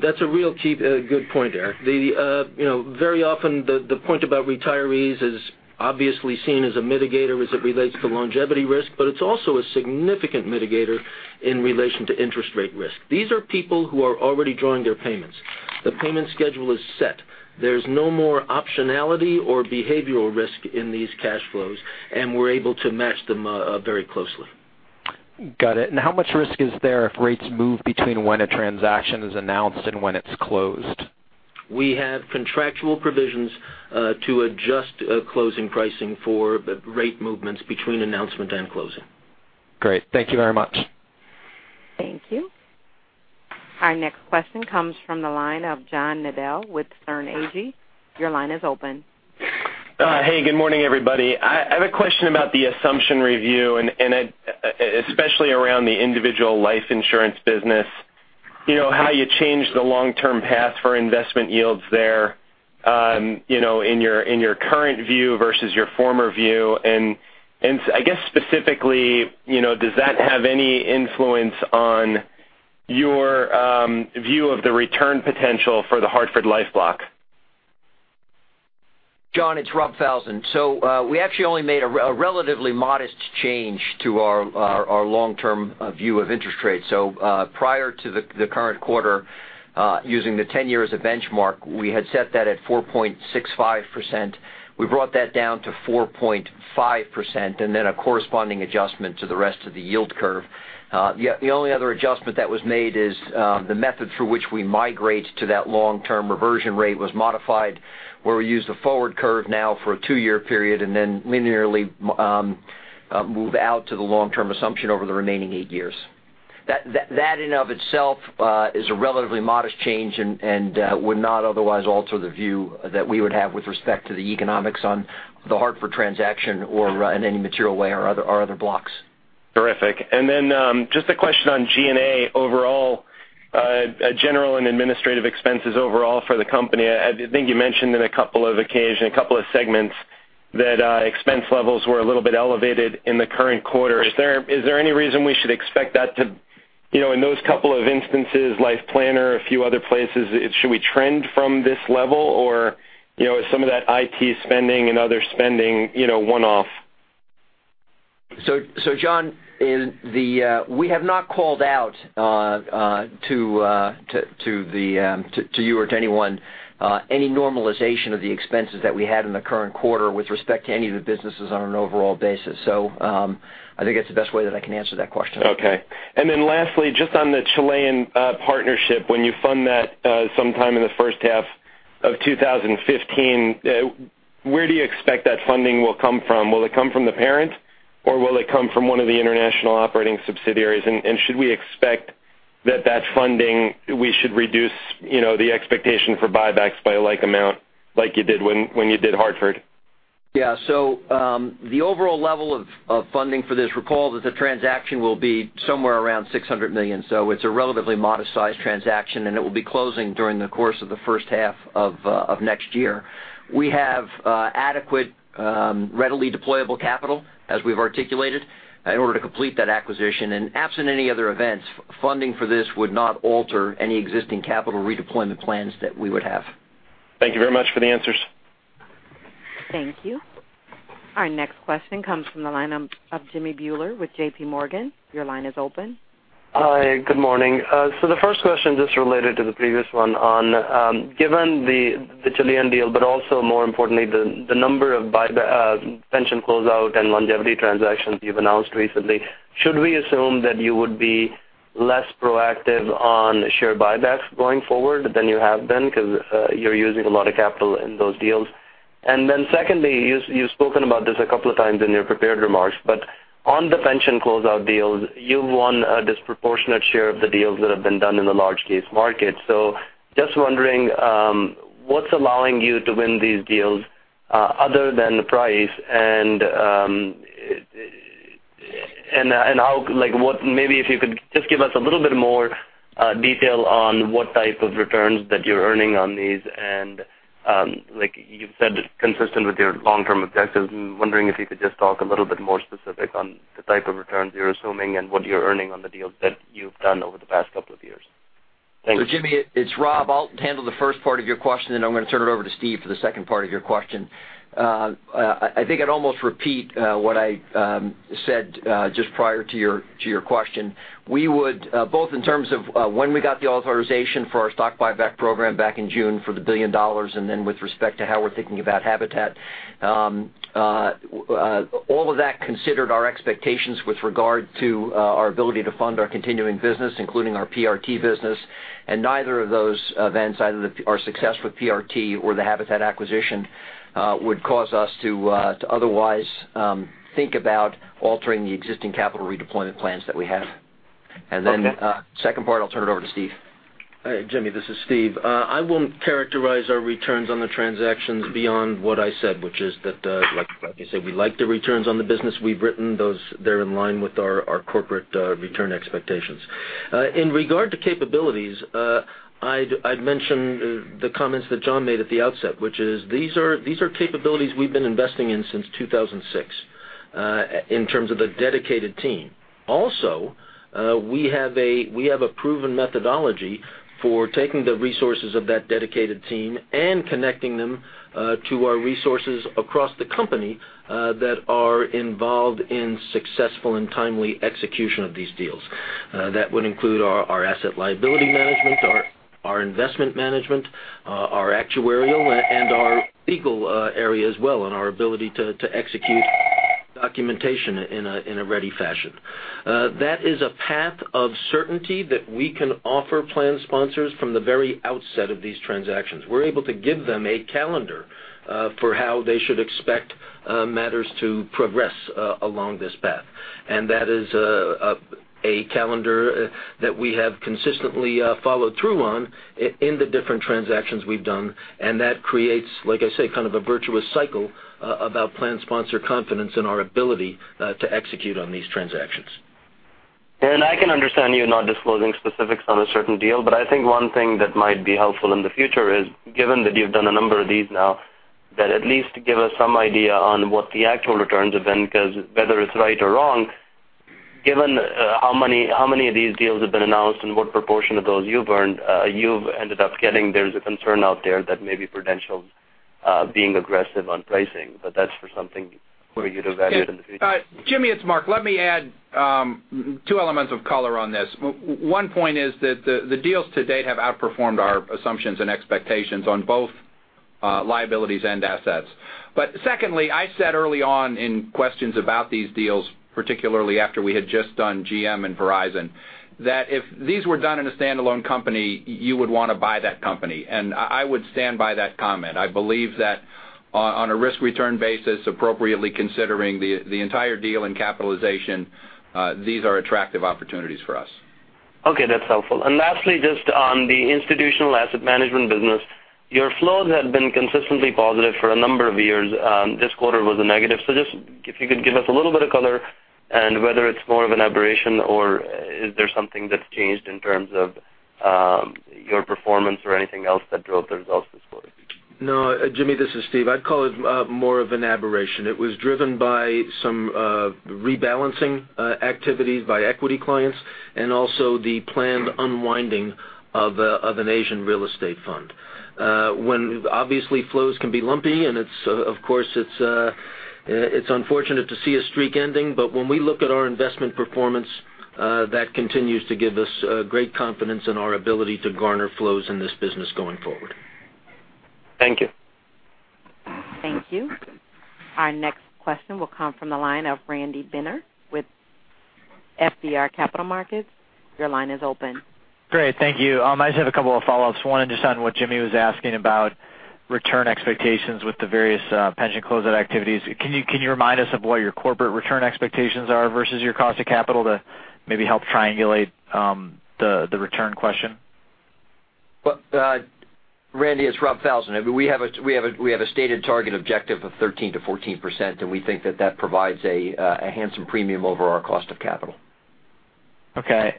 S6: that's a real key, good point, Eric. Very often the point about retirees is obviously seen as a mitigator as it relates to longevity risk, it's also a significant mitigator in relation to interest rate risk. These are people who are already drawing their payments. The payment schedule is set. There's no more optionality or behavioral risk in these cash flows, we're able to match them very closely.
S9: Got it. How much risk is there if rates move between when a transaction is announced and when it's closed?
S6: We have contractual provisions to adjust closing pricing for rate movements between announcement and closing.
S9: Great. Thank you very much.
S1: Thank you. Our next question comes from the line of John Nadel with Sterne Agee. Your line is open.
S10: Hey, good morning, everybody. I have a question about the assumption review and especially around the individual life insurance business. How you changed the long-term path for investment yields there, in your current view versus your former view, and I guess specifically, does that have any influence on your view of the return potential for the Hartford Life block?
S5: John, it's Rob Falzon. We actually only made a relatively modest change to our long-term view of interest rates. Prior to the current quarter, using the 10 years as a benchmark, we had set that at 4.65%. We brought that down to 4.5% and then a corresponding adjustment to the rest of the yield curve. The only other adjustment that was made is the method through which we migrate to that long-term reversion rate was modified, where we use the forward curve now for a two-year period and then linearly move out to the long-term assumption over the remaining eight years. That in and of itself is a relatively modest change and would not otherwise alter the view that we would have with respect to the economics on the Hartford transaction or in any material way or other blocks.
S10: Terrific. Just a question on G&A overall, general and administrative expenses overall for the company. I think you mentioned in a couple of occasions, a couple of segments, that expense levels were a little bit elevated in the current quarter. Is there any reason we should expect that In those couple of instances, Life Planner, a few other places, should we trend from this level or is some of that IT spending and other spending one-off?
S5: John, we have not called out to you or to anyone any normalization of the expenses that we had in the current quarter with respect to any of the businesses on an overall basis. I think that's the best way that I can answer that question.
S10: Okay. Lastly, just on the Chilean partnership, when you fund that sometime in the first half of 2015, where do you expect that funding will come from? Will it come from the parent or will it come from one of the international operating subsidiaries? Should we expect that funding, we should reduce the expectation for buybacks by a like amount like you did when you did The Hartford?
S5: The overall level of funding for this, recall that the transaction will be somewhere around $600 million. It's a relatively modest-sized transaction and it will be closing during the course of the first half of next year. We have adequate, readily deployable capital, as we've articulated, in order to complete that acquisition. Absent any other events, funding for this would not alter any existing capital redeployment plans that we would have.
S10: Thank you very much for the answers.
S1: Thank you. Our next question comes from the line of Jimmy Bhullar with JP Morgan. Your line is open.
S11: Hi, good morning. The first question just related to the previous one on, given the Chilean deal, also more importantly, the number of pension closeout and longevity transactions you've announced recently, should we assume that you would be less proactive on share buybacks going forward than you have been because you're using a lot of capital in those deals? Secondly, you've spoken about this a couple of times in your prepared remarks, on the pension closeout deals, you've won a disproportionate share of the deals that have been done in the large case market. Just wondering, what's allowing you to win these deals other than the price, and maybe if you could just give us a little bit more detail on what type of returns that you're earning on these and, like you've said, consistent with your long-term objectives. I'm wondering if you could just talk a little bit more specific on the type of returns you're assuming and what you're earning on the deals that you've done over the past couple of years. Thanks.
S5: Jimmy, it's Rob. I'll handle the first part of your question, then I'm going to turn it over to Steve for the second part of your question. I think I'd almost repeat what I said just prior to your question. We would, both in terms of when we got the authorization for our stock buyback program back in June for the $1 billion, and then with respect to how we're thinking about Habitat. All of that considered our expectations with regard to our ability to fund our continuing business, including our PRT business. Neither of those events, either our success with PRT or the Habitat acquisition, would cause us to otherwise think about altering the existing capital redeployment plans that we have. Okay. Second part, I'll turn it over to Steve.
S6: Jimmy, this is Steve. I won't characterize our returns on the transactions beyond what I said, which is that, like you say, we like the returns on the business we've written. They're in line with our corporate return expectations. In regard to capabilities, I'd mention the comments that John made at the outset, which is these are capabilities we've been investing in since 2006 in terms of the dedicated team. Also, we have a proven methodology for taking the resources of that dedicated team and connecting them to our resources across the company that are involved in successful and timely execution of these deals. That would include our asset liability management, our investment management, our actuarial, and our legal area as well, and our ability to execute documentation in a ready fashion. That is a path of certainty that we can offer plan sponsors from the very outset of these transactions. We're able to give them a calendar for how they should expect matters to progress along this path. That is a calendar that we have consistently followed through on in the different transactions we've done, and that creates, like I say, kind of a virtuous cycle about plan sponsor confidence in our ability to execute on these transactions.
S11: I can understand you not disclosing specifics on a certain deal, I think one thing that might be helpful in the future is, given that you've done a number of these now, that at least give us some idea on what the actual returns have been because whether it's right or wrong, given how many of these deals have been announced and what proportion of those you've earned, you've ended up getting, there's a concern out there that maybe Prudential's being aggressive on pricing, that's for something for you to value in the future.
S4: Jimmy, it's Mark. Let me add two elements of color on this. One point is that the deals to date have outperformed our assumptions and expectations on both liabilities and assets. Secondly, I said early on in questions about these deals, particularly after we had just done GM and Verizon, that if these were done in a standalone company, you would want to buy that company. I would stand by that comment. I believe that on a risk-return basis, appropriately considering the entire deal and capitalization, these are attractive opportunities for us.
S11: Okay. That's helpful. Lastly, just on the institutional asset management business, your flows have been consistently positive for a number of years. This quarter was a negative. Just if you could give us a little bit of color and whether it's more of an aberration or is there something that's changed in terms of your performance or anything else that drove the results this quarter?
S6: No, Jimmy, this is Steve. I'd call it more of an aberration. It was driven by some rebalancing activities by equity clients, also the planned unwinding of an Asian real estate fund. When, obviously, flows can be lumpy and of course, it's unfortunate to see a streak ending, when we look at our investment performance, that continues to give us great confidence in our ability to garner flows in this business going forward.
S11: Thank you.
S1: Thank you. Our next question will come from the line of Randy Binner with FBR Capital Markets. Your line is open.
S12: Great. Thank you. I just have a couple of follow-ups. One just on what Jimmy Bhullar was asking about return expectations with the various pension closeout activities. Can you remind us of what your corporate return expectations are versus your cost of capital to maybe help triangulate the return question?
S5: Randy, it's Rob Falzon. We have a stated target objective of 13%-14%, and we think that that provides a handsome premium over our cost of capital.
S12: Okay.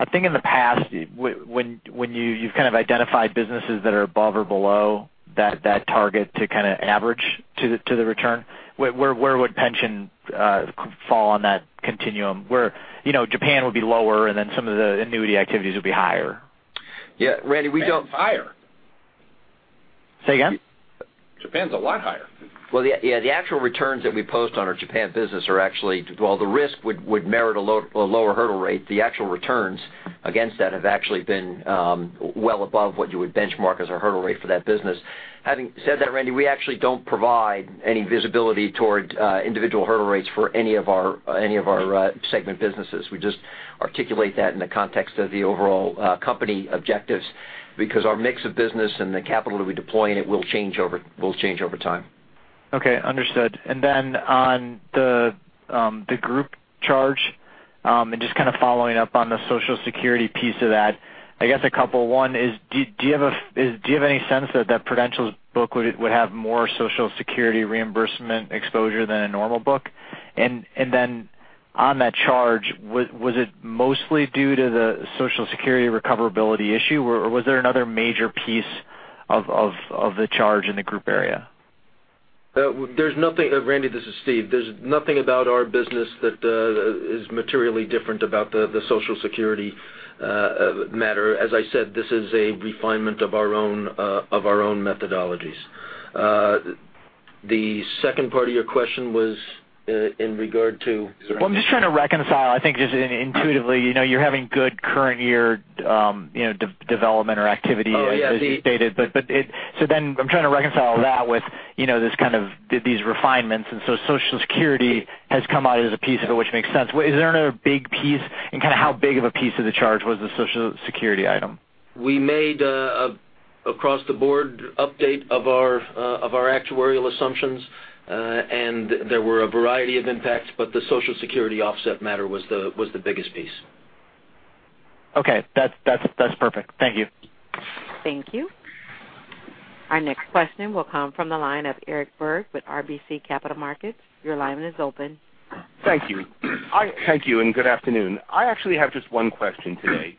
S12: I think in the past, when you've kind of identified businesses that are above or below that target to kind of average to the return, where would pension fall on that continuum, where Japan would be lower and some of the annuity activities would be higher?
S5: Yeah, Randy. Japan's higher.
S12: Say again?
S4: Japan's a lot higher.
S5: Well, yeah, the actual returns that we post on our Japan business are actually, while the risk would merit a lower hurdle rate, the actual returns against that have actually been well above what you would benchmark as our hurdle rate for that business. Having said that, Randy, we actually don't provide any visibility towards individual hurdle rates for any of our segment businesses. We just articulate that in the context of the overall company objectives because our mix of business and the capital that we deploy in it will change over time.
S12: Okay, understood. On the group charge, and just kind of following up on the Social Security piece of that, I guess a couple. One is, do you have any sense that Prudential's book would have more Social Security reimbursement exposure than a normal book? On that charge, was it mostly due to the Social Security recoverability issue, or was there another major piece of the charge in the group area?
S6: Randy, this is Steve. There's nothing about our business that is materially different about the Social Security matter. As I said, this is a refinement of our own methodologies. The second part of your question was in regard to?
S12: I'm just trying to reconcile, I think, just intuitively, you're having good current year development or activity as you stated.
S6: Oh, yeah.
S12: I'm trying to reconcile that with these refinements. Social Security has come out as a piece of it, which makes sense. Is there another big piece, and kind of how big of a piece of the charge was the Social Security item?
S6: We made an across the board update of our actuarial assumptions. There were a variety of impacts, but the Social Security offset matter was the biggest piece.
S12: Okay. That's perfect. Thank you.
S1: Thank you. Our next question will come from the line of Eric Berg with RBC Capital Markets. Your line is open.
S13: Thank you. Good afternoon. I actually have just one question today.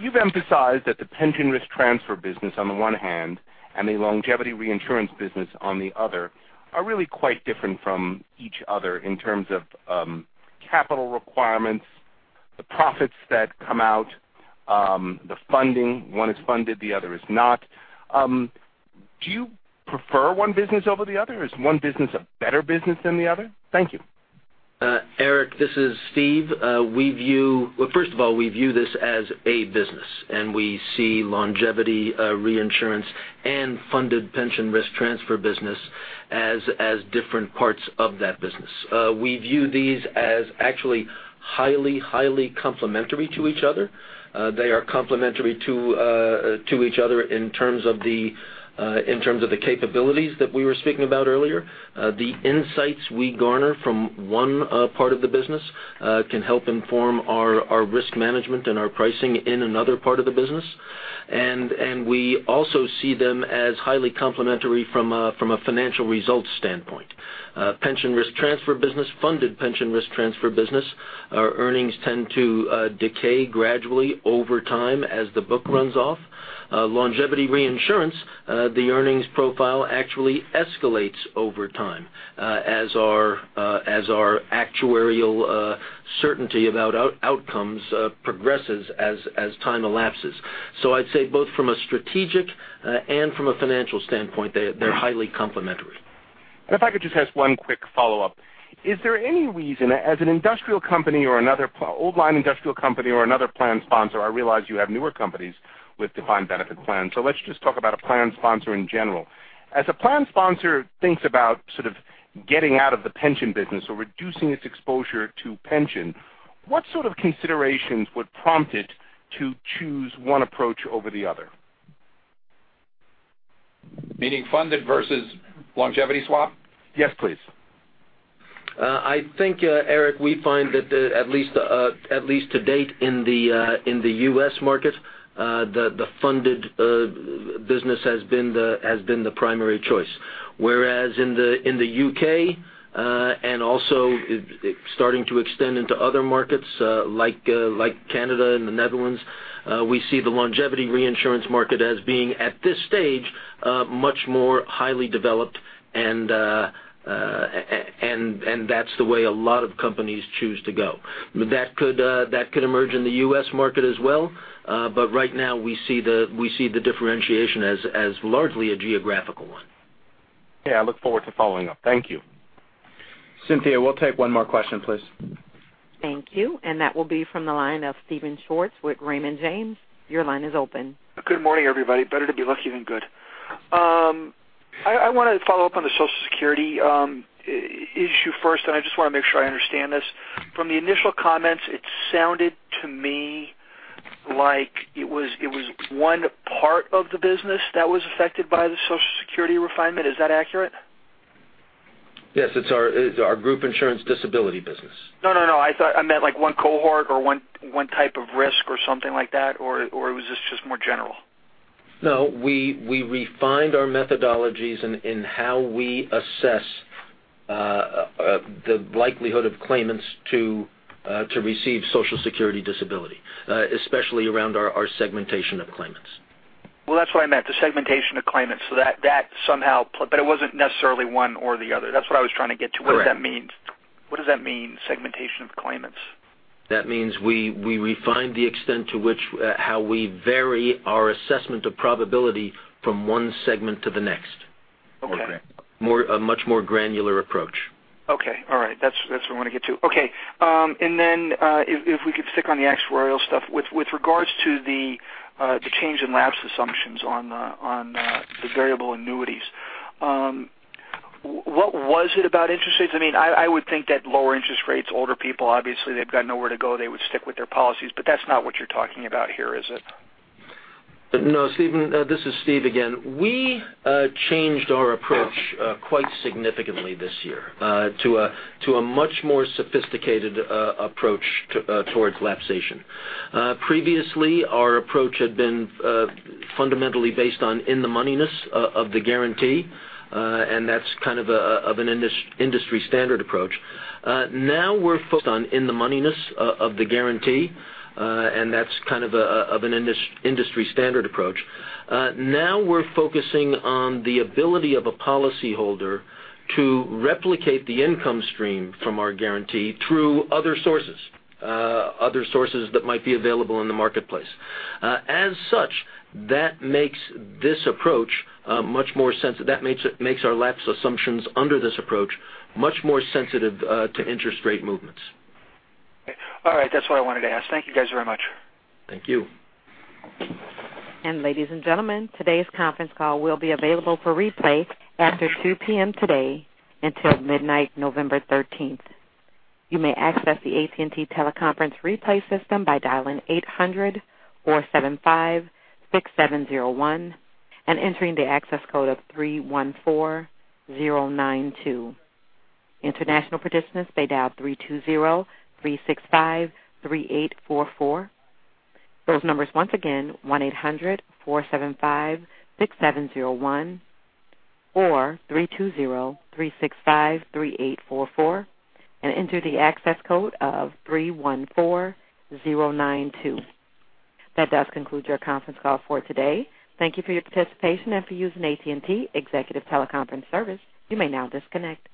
S13: You've emphasized that the pension risk transfer business on the one hand, and the longevity reinsurance business on the other, are really quite different from each other in terms of capital requirements, the profits that come out, the funding. One is funded, the other is not. Do you prefer one business over the other, or is one business a better business than the other? Thank you.
S6: Eric, this is Steve. First of all, we view this as a business. We see longevity reinsurance and funded pension risk transfer business as different parts of that business. We view these as actually highly complementary to each other. They are complementary to each other in terms of the capabilities that we were speaking about earlier. The insights we garner from one part of the business can help inform our risk management and our pricing in another part of the business. We also see them as highly complementary from a financial results standpoint. Pension risk transfer business, funded pension risk transfer business, our earnings tend to decay gradually over time as the book runs off. Longevity reinsurance, the earnings profile actually escalates over time as our actuarial certainty about outcomes progresses as time elapses. I'd say both from a strategic and from a financial standpoint, they're highly complementary.
S13: If I could just ask one quick follow-up. Is there any reason, as an industrial company or another old-line industrial company or another plan sponsor, I realize you have newer companies with defined benefit plans, so let's just talk about a plan sponsor in general. As a plan sponsor thinks about sort of getting out of the pension business or reducing its exposure to pension, what sort of considerations would prompt it to choose one approach over the other?
S6: Meaning funded versus longevity swap?
S13: Yes, please.
S6: I think, Eric, we find that at least to date in the U.S. market, the funded business has been the primary choice. Whereas in the U.K., and also starting to extend into other markets like Canada and the Netherlands. We see the longevity reinsurance market as being, at this stage, much more highly developed, and that's the way a lot of companies choose to go. That could emerge in the U.S. market as well. Right now, we see the differentiation as largely a geographical one.
S13: Yeah, I look forward to following up. Thank you.
S2: Cynthia, we'll take one more question, please.
S1: Thank you. That will be from the line of Steven Schwartz with Raymond James. Your line is open.
S14: Good morning, everybody. Better to be lucky than good. I want to follow up on the Social Security issue first, and I just want to make sure I understand this. From the initial comments, it sounded to me like it was one part of the business that was affected by the Social Security refinement. Is that accurate?
S6: Yes, it's our group insurance disability business.
S14: No, I meant like one cohort or one type of risk or something like that, or was this just more general?
S6: No. We refined our methodologies in how we assess the likelihood of claimants to receive Social Security Disability, especially around our segmentation of claimants.
S14: Well, that's what I meant, the segmentation of claimants. It wasn't necessarily one or the other. That's what I was trying to get to.
S6: Correct.
S14: What does that mean? What does that mean, segmentation of claimants?
S6: That means we refined the extent to which how we vary our assessment of probability from one segment to the next.
S14: Okay.
S6: A much more granular approach.
S14: Okay. All right. That's what I want to get to. Okay. If we could stick on the actuarial stuff, with regards to the change in lapse assumptions on the variable annuities, what was it about interest rates? I would think that lower interest rates, older people, obviously, they've got nowhere to go. They would stick with their policies. That's not what you're talking about here, is it?
S6: No, Steven, this is Steve again. We changed our approach quite significantly this year to a much more sophisticated approach towards lapsation. Previously, our approach had been fundamentally based on in-the-money-ness of the guarantee, that's kind of an industry-standard approach. Now we're focusing on the ability of a policyholder to replicate the income stream from our guarantee through other sources that might be available in the marketplace. As such, that makes our lapse assumptions under this approach much more sensitive to interest rate movements.
S14: Okay. All right. That's what I wanted to ask. Thank you guys very much.
S6: Thank you.
S1: Ladies and gentlemen, today's conference call will be available for replay after 2:00 P.M. today until midnight, November 13th. You may access the AT&T teleconference replay system by dialing 800-475-6701 and entering the access code of 314092. International participants may dial 3203653844. Those numbers once again, 1-800-475-6701 or 3203653844, and enter the access code of 314092. That does conclude your conference call for today. Thank you for your participation and for using AT&T Executive Teleconference Service. You may now disconnect.